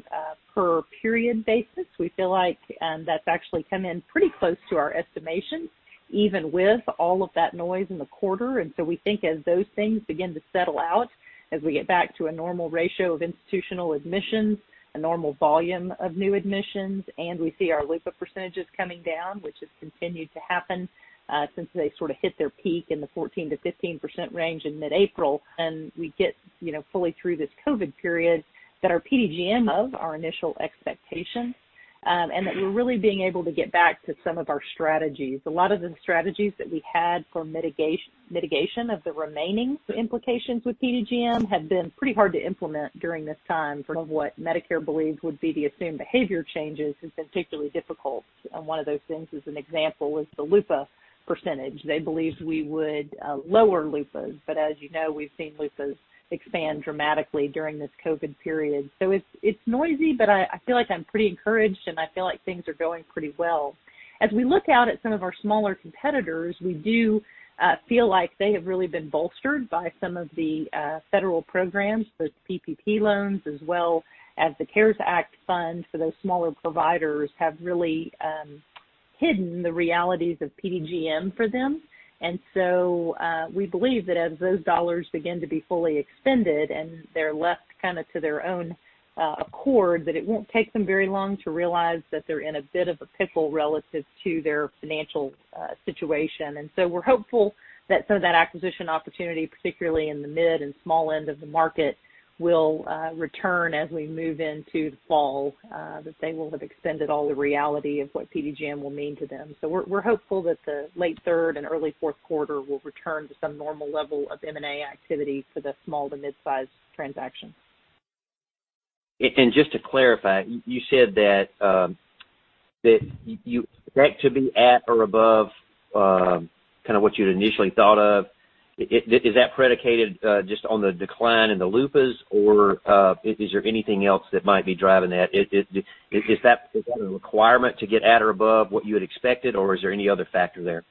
per period basis. We feel like that's actually come in pretty close to our estimations, even with all of that noise in the quarter. We think as those things begin to settle out, as we get back to a normal ratio of institutional admissions, a normal volume of new admissions, and we see our LUPA percentages coming down, which has continued to happen since they sort of hit their peak in the 14%-15% range in mid-April. We get fully through this COVID period that our PDGM Of our initial expectations, and that we're really being able to get back to some of our strategies. A lot of the strategies that we had for mitigation of the remaining implications with PDGM have been pretty hard to implement during this time of what Medicare believes would be the assumed behavior changes has been particularly difficult. One of those things as an example, was the LUPA percentage. They believed we would lower LUPAs, but as you know, we've seen LUPAs expand dramatically during this COVID period. It's noisy, but I feel like I'm pretty encouraged, and I feel like things are going pretty well. As we look out at some of our smaller competitors, we do feel like they have really been bolstered by some of the federal programs, those PPP loans, as well as the CARES Act fund for those smaller providers have really hidden the realities of PDGM for them. We believe that as those dollars begin to be fully expended and they're left to their own accord, that it won't take them very long to realize that they're in a bit of a pickle relative to their financial situation. We're hopeful that some of that acquisition opportunity, particularly in the mid and small end of the market, will return as we move into the fall, that they will have extended all the reality of what PDGM will mean to them. We're hopeful that the late third and early fourth quarter will return to some normal level of M&A activity for the small to mid-size transactions. Just to clarify, you said that to be at or above, what you'd initially thought of, is that predicated just on the decline in the LUPAs, or is there anything else that might be driving that? Is that a requirement to get at or above what you had expected? Is there any other factor there?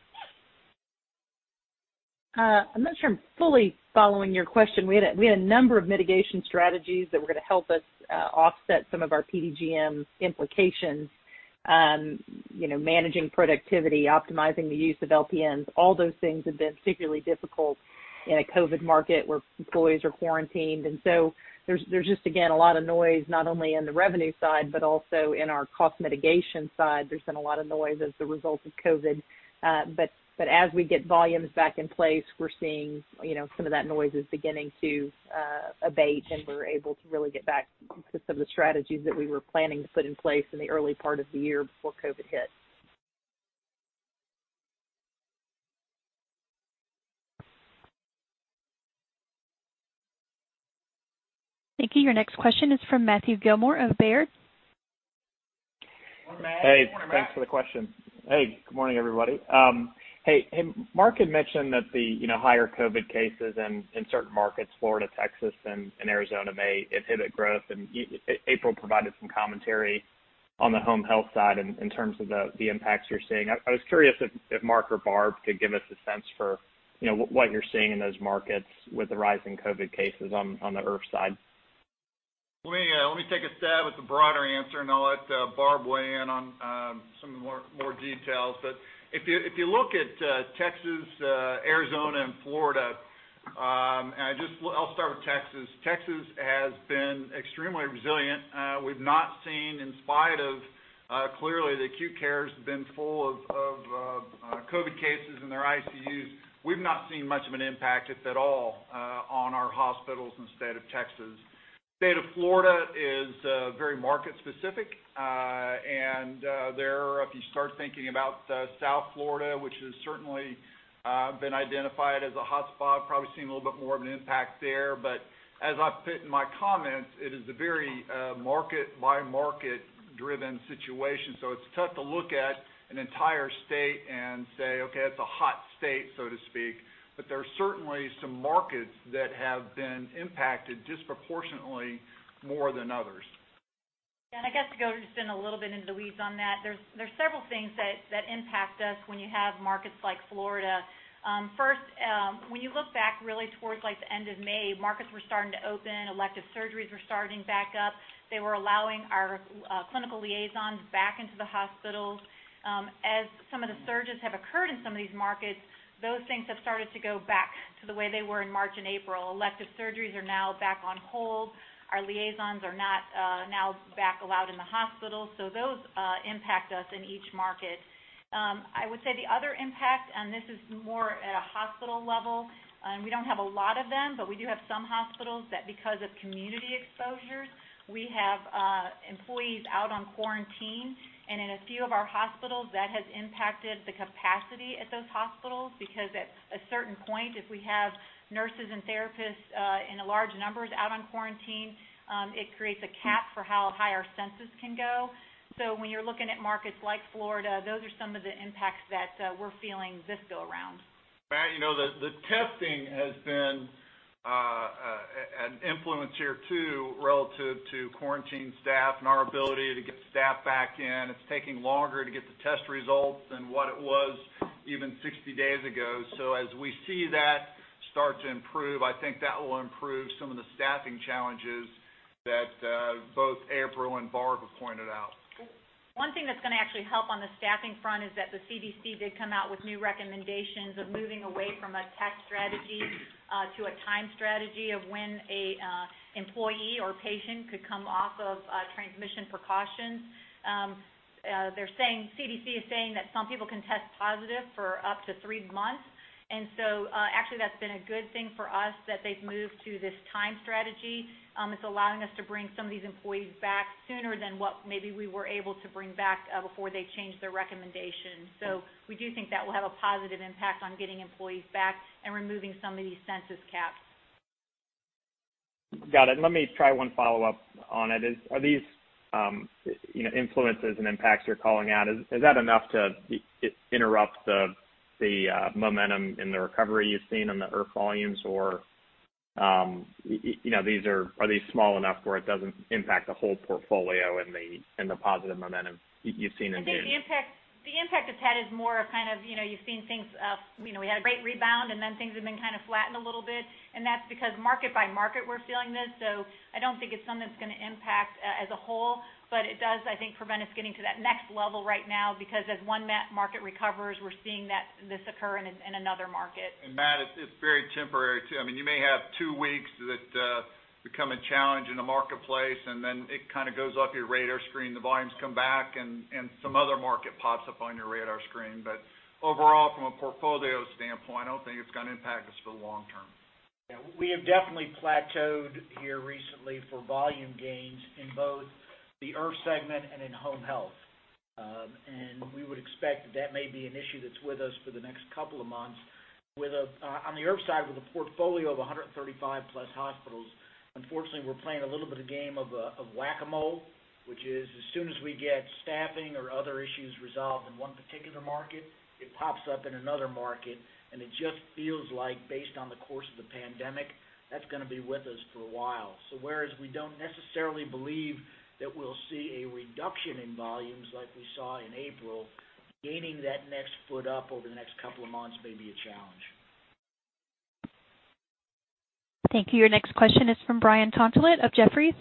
I'm not sure I'm fully following your question. We had a number of mitigation strategies that were going to help us offset some of our PDGM implications. Managing productivity, optimizing the use of LPNs, all those things have been particularly difficult in a COVID market where employees are quarantined. There's just, again, a lot of noise, not only in the revenue side, but also in our cost mitigation side. There's been a lot of noise as a result of COVID. As we get volumes back in place, we're seeing some of that noise is beginning to abate, and we're able to really get back to some of the strategies that we were planning to put in place in the early part of the year before COVID hit. Thank you. Your next question is from Matthew Gillmor of Baird. Morning, Matt. Hey. Morning, Matt. Thanks for the question. Good morning, everybody. Mark had mentioned that the higher COVID cases in certain markets, Florida, Texas, and Arizona may inhibit growth, and April provided some commentary on the home health side in terms of the impacts you're seeing. I was curious if Mark or Barb could give us a sense for what you're seeing in those markets with the rise in COVID cases on the IRF side. Let me take a stab at the broader answer, and I'll let Barb weigh in on some more details. If you look at Texas, Arizona, and Florida, and I'll start with Texas. Texas has been extremely resilient. We've not seen, in spite of clearly the acute care has been full of COVID cases in their ICUs. We've not seen much of an impact, if at all, on our hospitals in the state of Texas. State of Florida is very market specific. There, if you start thinking about South Florida, which has certainly been identified as a hotspot, probably seeing a little bit more of an impact there. As I put in my comments, it is a very market by market driven situation. It's tough to look at an entire state and say, "Okay, that's a hot state," so to speak. There are certainly some markets that have been impacted disproportionately more than others. I guess to go just in a little bit into the weeds on that, there's several things that impact us when you have markets like Florida. First, when you look back really towards the end of May, markets were starting to open, elective surgeries were starting back up. They were allowing our clinical liaisons back into the hospitals. As some of the surges have occurred in some of these markets, those things have started to go back to the way they were in March and April. Elective surgeries are now back on hold. Our liaisons are not now back allowed in the hospital. Those impact us in each market. I would say the other impact, and this is more at a hospital level, we don't have a lot of them, but we do have some hospitals that because of community exposures, we have employees out on quarantine, and in a few of our hospitals, that has impacted the capacity at those hospitals, because at a certain point, if we have nurses and therapists in large numbers out on quarantine, it creates a cap for how high our census can go. When you're looking at markets like Florida, those are some of the impacts that we're feeling this go around. Matt, the testing has been an influence here, too, relative to quarantine staff and our ability to get staff back in. It's taking longer to get the test results than what it was even 60 days ago. As we see that start to improve, I think that will improve some of the staffing challenges that both April and Barb have pointed out. One thing that's going to actually help on the staffing front is that the CDC did come out with new recommendations of moving away from a test strategy to a time strategy of when a employee or patient could come off of transmission precautions. CDC is saying that some people can test positive for up to three months, actually that's been a good thing for us that they've moved to this time strategy. It's allowing us to bring some of these employees back sooner than what maybe we were able to bring back before they changed their recommendation. We do think that will have a positive impact on getting employees back and removing some of these census caps. Got it. Let me try one follow-up on it. Are these influences and impacts you're calling out, is that enough to interrupt the momentum in the recovery you've seen on the IRF volumes, or are these small enough where it doesn't impact the whole portfolio and the positive momentum you've seen in June? I think the impact it's had is more of kind of, you've seen things, we had a great rebound and then things have been kind of flattened a little bit, and that's because market by market, we're feeling this. I don't think it's something that's going to impact as a whole, but it does, I think, prevent us getting to that next level right now, because as one market recovers, we're seeing this occur in another market. Matt, it's very temporary, too. You may have two weeks that become a challenge in the marketplace, and then it kind of goes off your radar screen, the volumes come back, and some other market pops up on your radar screen. Overall, from a portfolio standpoint, I don't think it's going to impact us for the long term. We have definitely plateaued here recently for volume gains in both the IRF segment and in home health. We would expect that that may be an issue that's with us for the next couple of months. On the IRF side, with a portfolio of 135+ hospitals, unfortunately, we're playing a little bit of game of whack-a-mole, which is, as soon as we get staffing or other issues resolved in one particular market, it pops up in another market, and it just feels like based on the course of the pandemic, that's going to be with us for a while. Whereas we don't necessarily believe that we'll see a reduction in volumes like we saw in April, gaining that next foot up over the next couple of months may be a challenge. Thank you. Your next question is from Brian Tanquilut of Jefferies.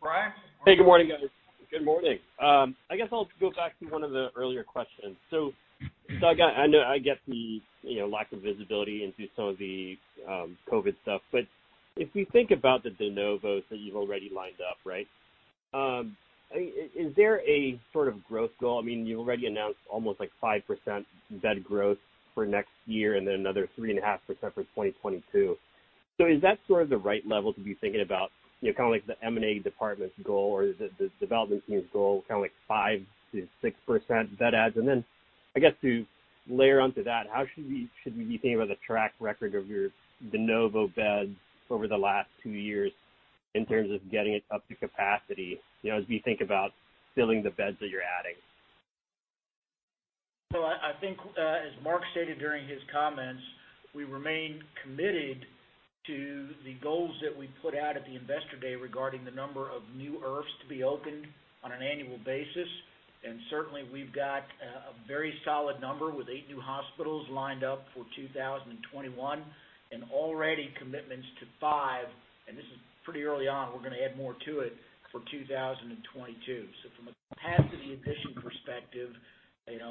Brian. Hey, good morning, guys. Good morning. I guess I'll go back to one of the earlier questions. Doug, I get the lack of visibility into some of the COVID stuff, but if we think about the de novos that you've already lined up, is there a sort of growth goal? You've already announced almost 5% bed growth for next year and then another 3.5% for 2022. Is that sort of the right level to be thinking about, kind of like the M&A department's goal, or is it the development team's goal, kind of like 5%-6% bed adds? I guess to layer onto that, how should we be thinking about the track record of your de novo beds over the last two years in terms of getting it up to capacity, as we think about filling the beds that you're adding? I think, as Mark stated during his comments, we remain committed to the goals that we put out at the investor day regarding the number of new IRFs to be opened on an annual basis. Certainly, we've got a very solid number with eight new hospitals lined up for 2021, and already commitments to five, and this is pretty early on, we're going to add more to it, for 2022. From a capacity addition perspective,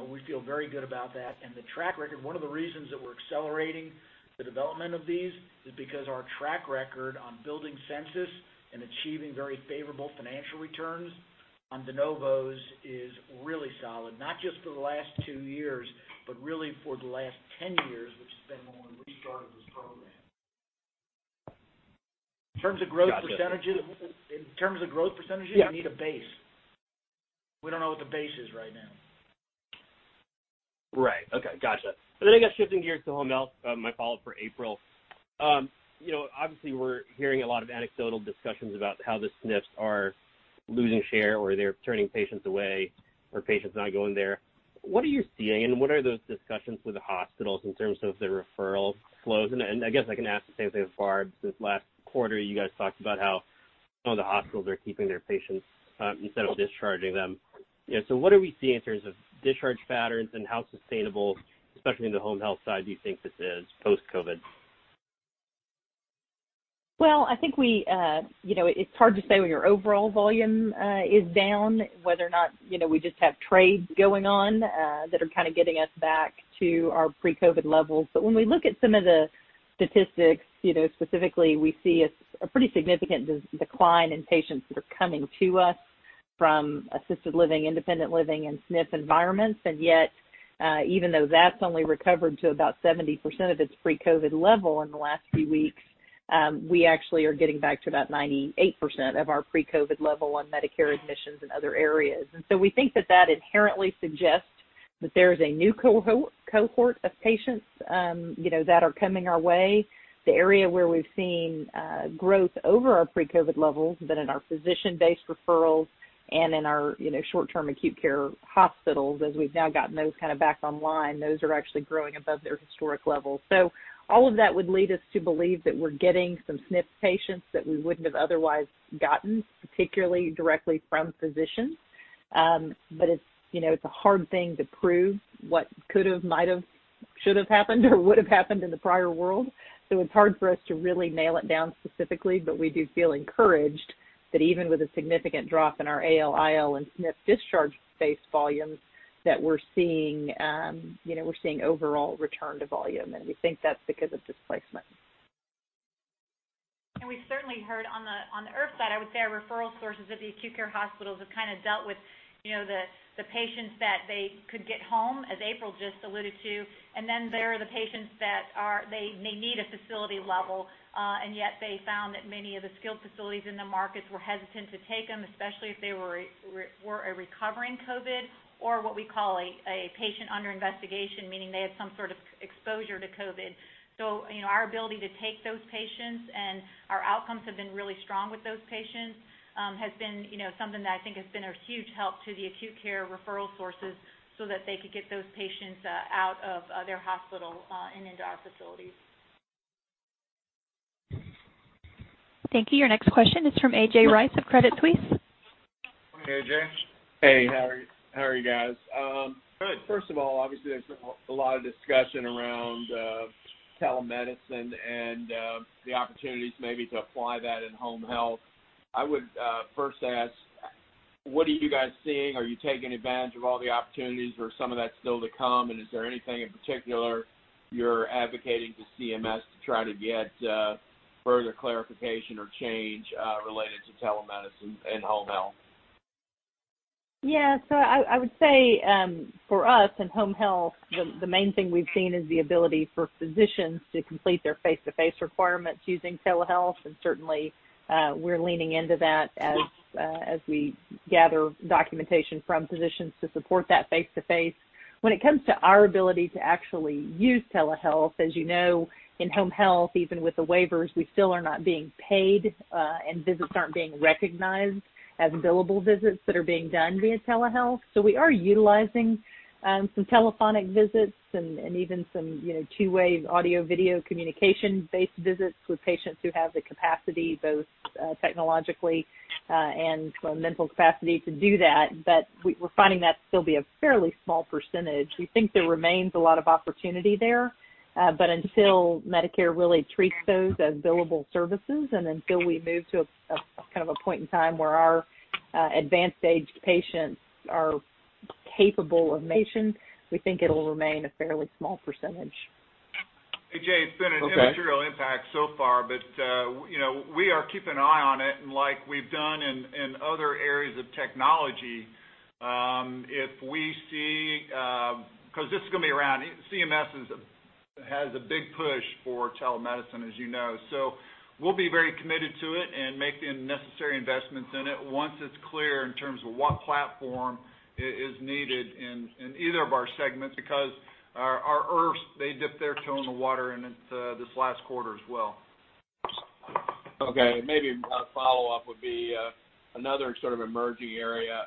we feel very good about that. The track record, one of the reasons that we're accelerating the development of these is because our track record on building census and achieving very favorable financial returns on de novos is really solid, not just for the last two years, but really for the last 10 years, which has been when we started this program. Gotcha In terms of growth percentages. Yeah. We need a base. We don't know what the base is right now. Right. Okay, got you. I guess shifting gears to home health, my follow-up for April. Obviously, we're hearing a lot of anecdotal discussions about how the SNFs are losing share or they're turning patients away or patients not going there. What are you seeing, and what are those discussions with the hospitals in terms of the referral flows? I guess I can ask the same thing of Barb, because last quarter, you guys talked about how some of the hospitals are keeping their patients instead of discharging them. What are we seeing in terms of discharge patterns and how sustainable, especially in the home health side, do you think this is post-COVID? Well, I think it's hard to say when your overall volume is down, whether or not we just have trades going on that are kind of getting us back to our pre-COVID levels. When we look at some of the statistics, specifically, we see a pretty significant decline in patients that are coming to us from assisted living, independent living, and SNF environments, and yet, even though that's only recovered to about 70% of its pre-COVID level in the last few weeks, we actually are getting back to about 98% of our pre-COVID level on Medicare admissions in other areas. We think that inherently suggests that there is a new cohort of patients that are coming our way. The area where we've seen growth over our pre-COVID levels have been in our physician-based referrals and in our short-term acute care hospitals, as we've now gotten those kind of back online. Those are actually growing above their historic levels. All of that would lead us to believe that we're getting some SNF patients that we wouldn't have otherwise gotten, particularly directly from physicians. It's a hard thing to prove what could've, might've, should've happened or would've happened in the prior world. It's hard for us to really nail it down specifically, but we do feel encouraged that even with a significant drop in our AL, IL, and SNF discharge base volumes, that we're seeing overall return to volume, and we think that's because of displacement. We certainly heard on the IRF side, I would say our referral sources at the acute care hospitals have kind of dealt with the patients that they could get home, as April just alluded to, and then there are the patients that may need a facility level, and yet they found that many of the skilled facilities in the markets were hesitant to take them, especially if they were a recovering COVID or what we call a patient under investigation, meaning they had some sort of exposure to COVID. Our ability to take those patients and our outcomes have been really strong with those patients, has been something that I think has been a huge help to the acute care referral sources so that they could get those patients out of their hospital and into our facilities. Thank you. Your next question is from A.J. Rice of Credit Suisse. Hi, A.J. Hey, how are you guys? Good. First of all, obviously, there's been a lot of discussion around telemedicine and the opportunities maybe to apply that in home health. I would first ask, what are you guys seeing? Are you taking advantage of all the opportunities or is some of that still to come, and is there anything in particular you're advocating to CMS to try to get further clarification or change related to telemedicine and home health? Yeah. I would say for us, in home health, the main thing we've seen is the ability for physicians to complete their face-to-face requirements using telehealth, and certainly, we're leaning into that. As we gather documentation from physicians to support that face-to-face. When it comes to our ability to actually use telehealth, as you know, in home health, even with the waivers, we still are not being paid, and visits aren't being recognized as billable visits that are being done via telehealth. We are utilizing some telephonic visits and even some two-way audio-video communication-based visits with patients who have the capacity, both technologically and mental capacity to do that. We're finding that to still be a fairly small percentage. We think there remains a lot of opportunity there, but until Medicare really treats those as billable services, and until we move to a kind of a point in time where our advanced aged patients are capable of navigation, we think it'll remain a fairly small percentage. A.J., it's been an-. Okay. Immaterial impact so far, but we are keeping an eye on it, and like we've done in other areas of technology, if we see. This is going to be around. CMS has a big push for telemedicine, as you know. We'll be very committed to it and make the necessary investments in it once it's clear in terms of what platform is needed in either of our segments, because our IRFs, they dipped their toe in the water in it this last quarter as well. Okay. Maybe a follow-up would be another sort of emerging area.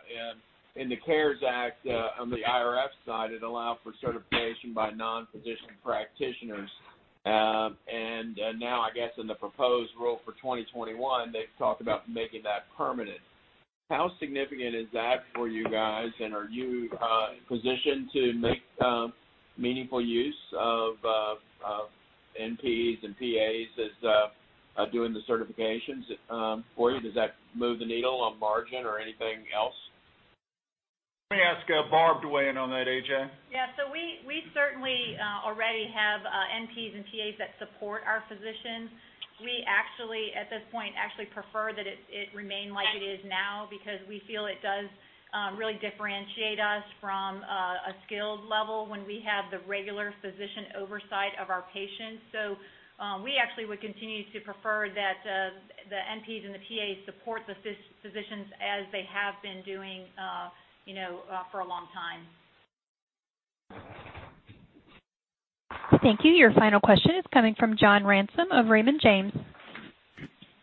In the CARES Act, on the IRF side, it allowed for certification by non-physician practitioners. Now I guess in the proposed rule for 2021, they've talked about making that permanent. How significant is that for you guys, and are you positioned to make meaningful use of NPs and PAs as doing the certifications for you? Does that move the needle on margin or anything else? Let me ask Barb to weigh in on that, A.J. We certainly already have NPs and PAs that support our physicians. We actually, at this point, actually prefer that it remain like it is now because we feel it does really differentiate us from a skilled level when we have the regular physician oversight of our patients. We actually would continue to prefer that the NPs and the PAs support the physicians as they have been doing for a long time. Thank you. Your final question is coming from John Ransom of Raymond James.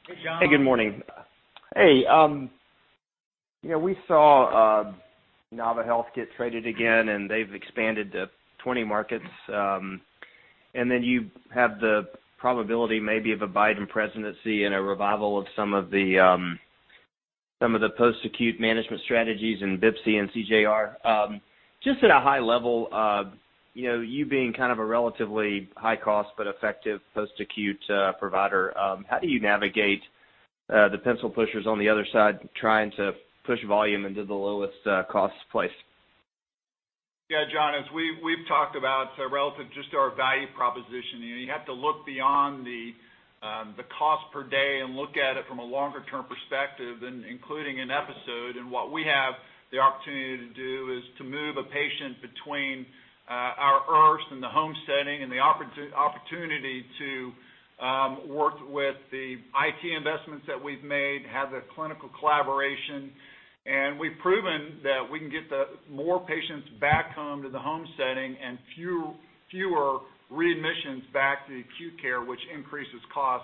Hey, John. Hey, good morning. Hey, we saw Nava Health get traded again, and they've expanded to 20 markets. You have the probability maybe of a Biden presidency and a revival of some of the post-acute management strategies in BPCI and CJR. Just at a high level, you being kind of a relatively high-cost but effective post-acute provider, how do you navigate the pencil pushers on the other side trying to push volume into the lowest cost place? John, as we've talked about relative just to our value proposition, you have to look beyond the cost per day and look at it from a longer-term perspective, including an episode. What we have the opportunity to do is to move a patient between our IRFs in the home setting and the opportunity to work with the IT investments that we've made, have the clinical collaboration. We've proven that we can get more patients back home to the home setting and fewer readmissions back to the acute care, which increases cost.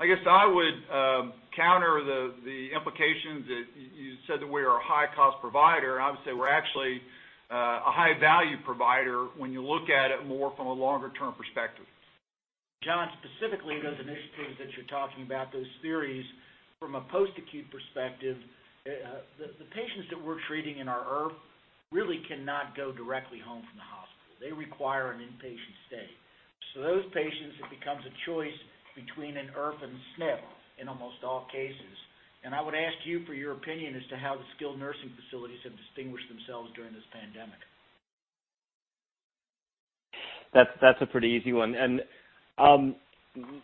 I guess I would counter the implications that you said that we are a high-cost provider. I would say we're actually a high-value provider when you look at it more from a longer-term perspective. John, specifically, those initiatives that you're talking about, those theories from a post-acute perspective, the patients that we're treating in our IRF really cannot go directly home from the hospital. They require an inpatient stay. Those patients, it becomes a choice between an IRF and SNF in almost all cases. I would ask you for your opinion as to how the skilled nursing facilities have distinguished themselves during this pandemic? That's a pretty easy one.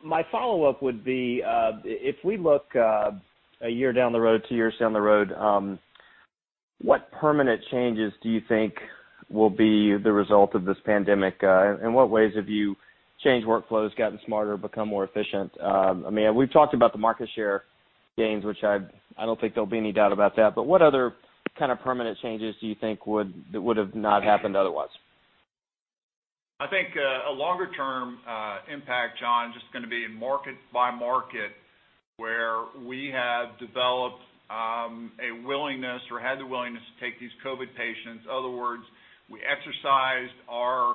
My follow-up would be, if we look a year down the road, two years down the road, what permanent changes do you think will be the result of this pandemic? In what ways have you changed workflows, gotten smarter, become more efficient? We've talked about the market share gains, which I don't think there'll be any doubt about that, but what other kind of permanent changes do you think would have not happened otherwise? I think a longer-term impact, John, just going to be in market by market, where we have developed a willingness or had the willingness to take these COVID patients. Other words, we exercised our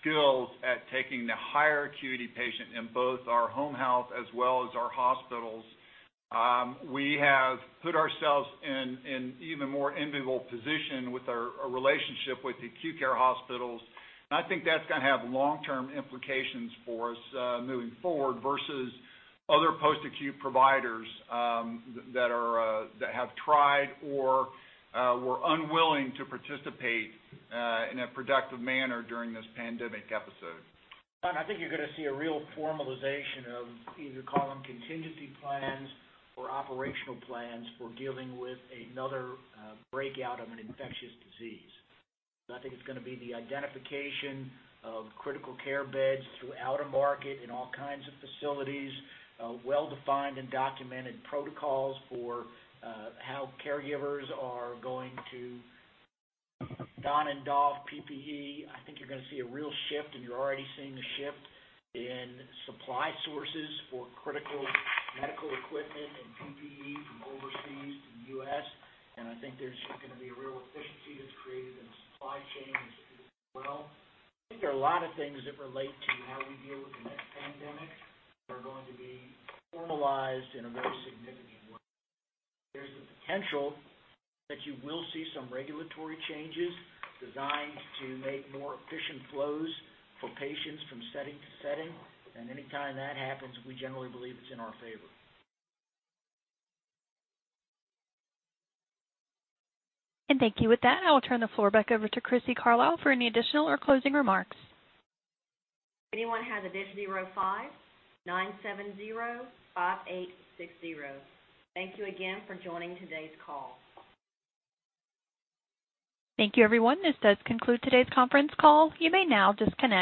skills at taking the higher acuity patient in both our home health as well as our hospitals. We have put ourselves in even more enviable position with our relationship with the acute care hospitals. I think that's going to have long-term implications for us moving forward versus other post-acute providers that have tried or were unwilling to participate in a productive manner during this pandemic episode. I think you're going to see a real formalization of either call them contingency plans or operational plans for dealing with another breakout of an infectious disease. I think it's going to be the identification of critical care beds throughout a market in all kinds of facilities, well-defined and documented protocols for how caregivers are going to don and doff PPE. I think you're going to see a real shift, and you're already seeing the shift in supply sources for critical medical equipment and PPE from overseas to the U.S. I think there's just going to be a real efficiency that's created in the supply chain as well. I think there are a lot of things that relate to how we deal with the next pandemic that are going to be formalized in a very significant way. There's the potential that you will see some regulatory changes designed to make more efficient flows for patients from setting to setting, and anytime that happens, we generally believe it's in our favor. Thank you. With that, I will turn the floor back over to Crissy Carlisle for any additional or closing remarks. Anyone has additional questions, please call me at 205-970-5860 Thank you, everyone. This does conclude today's conference call. You may now disconnect.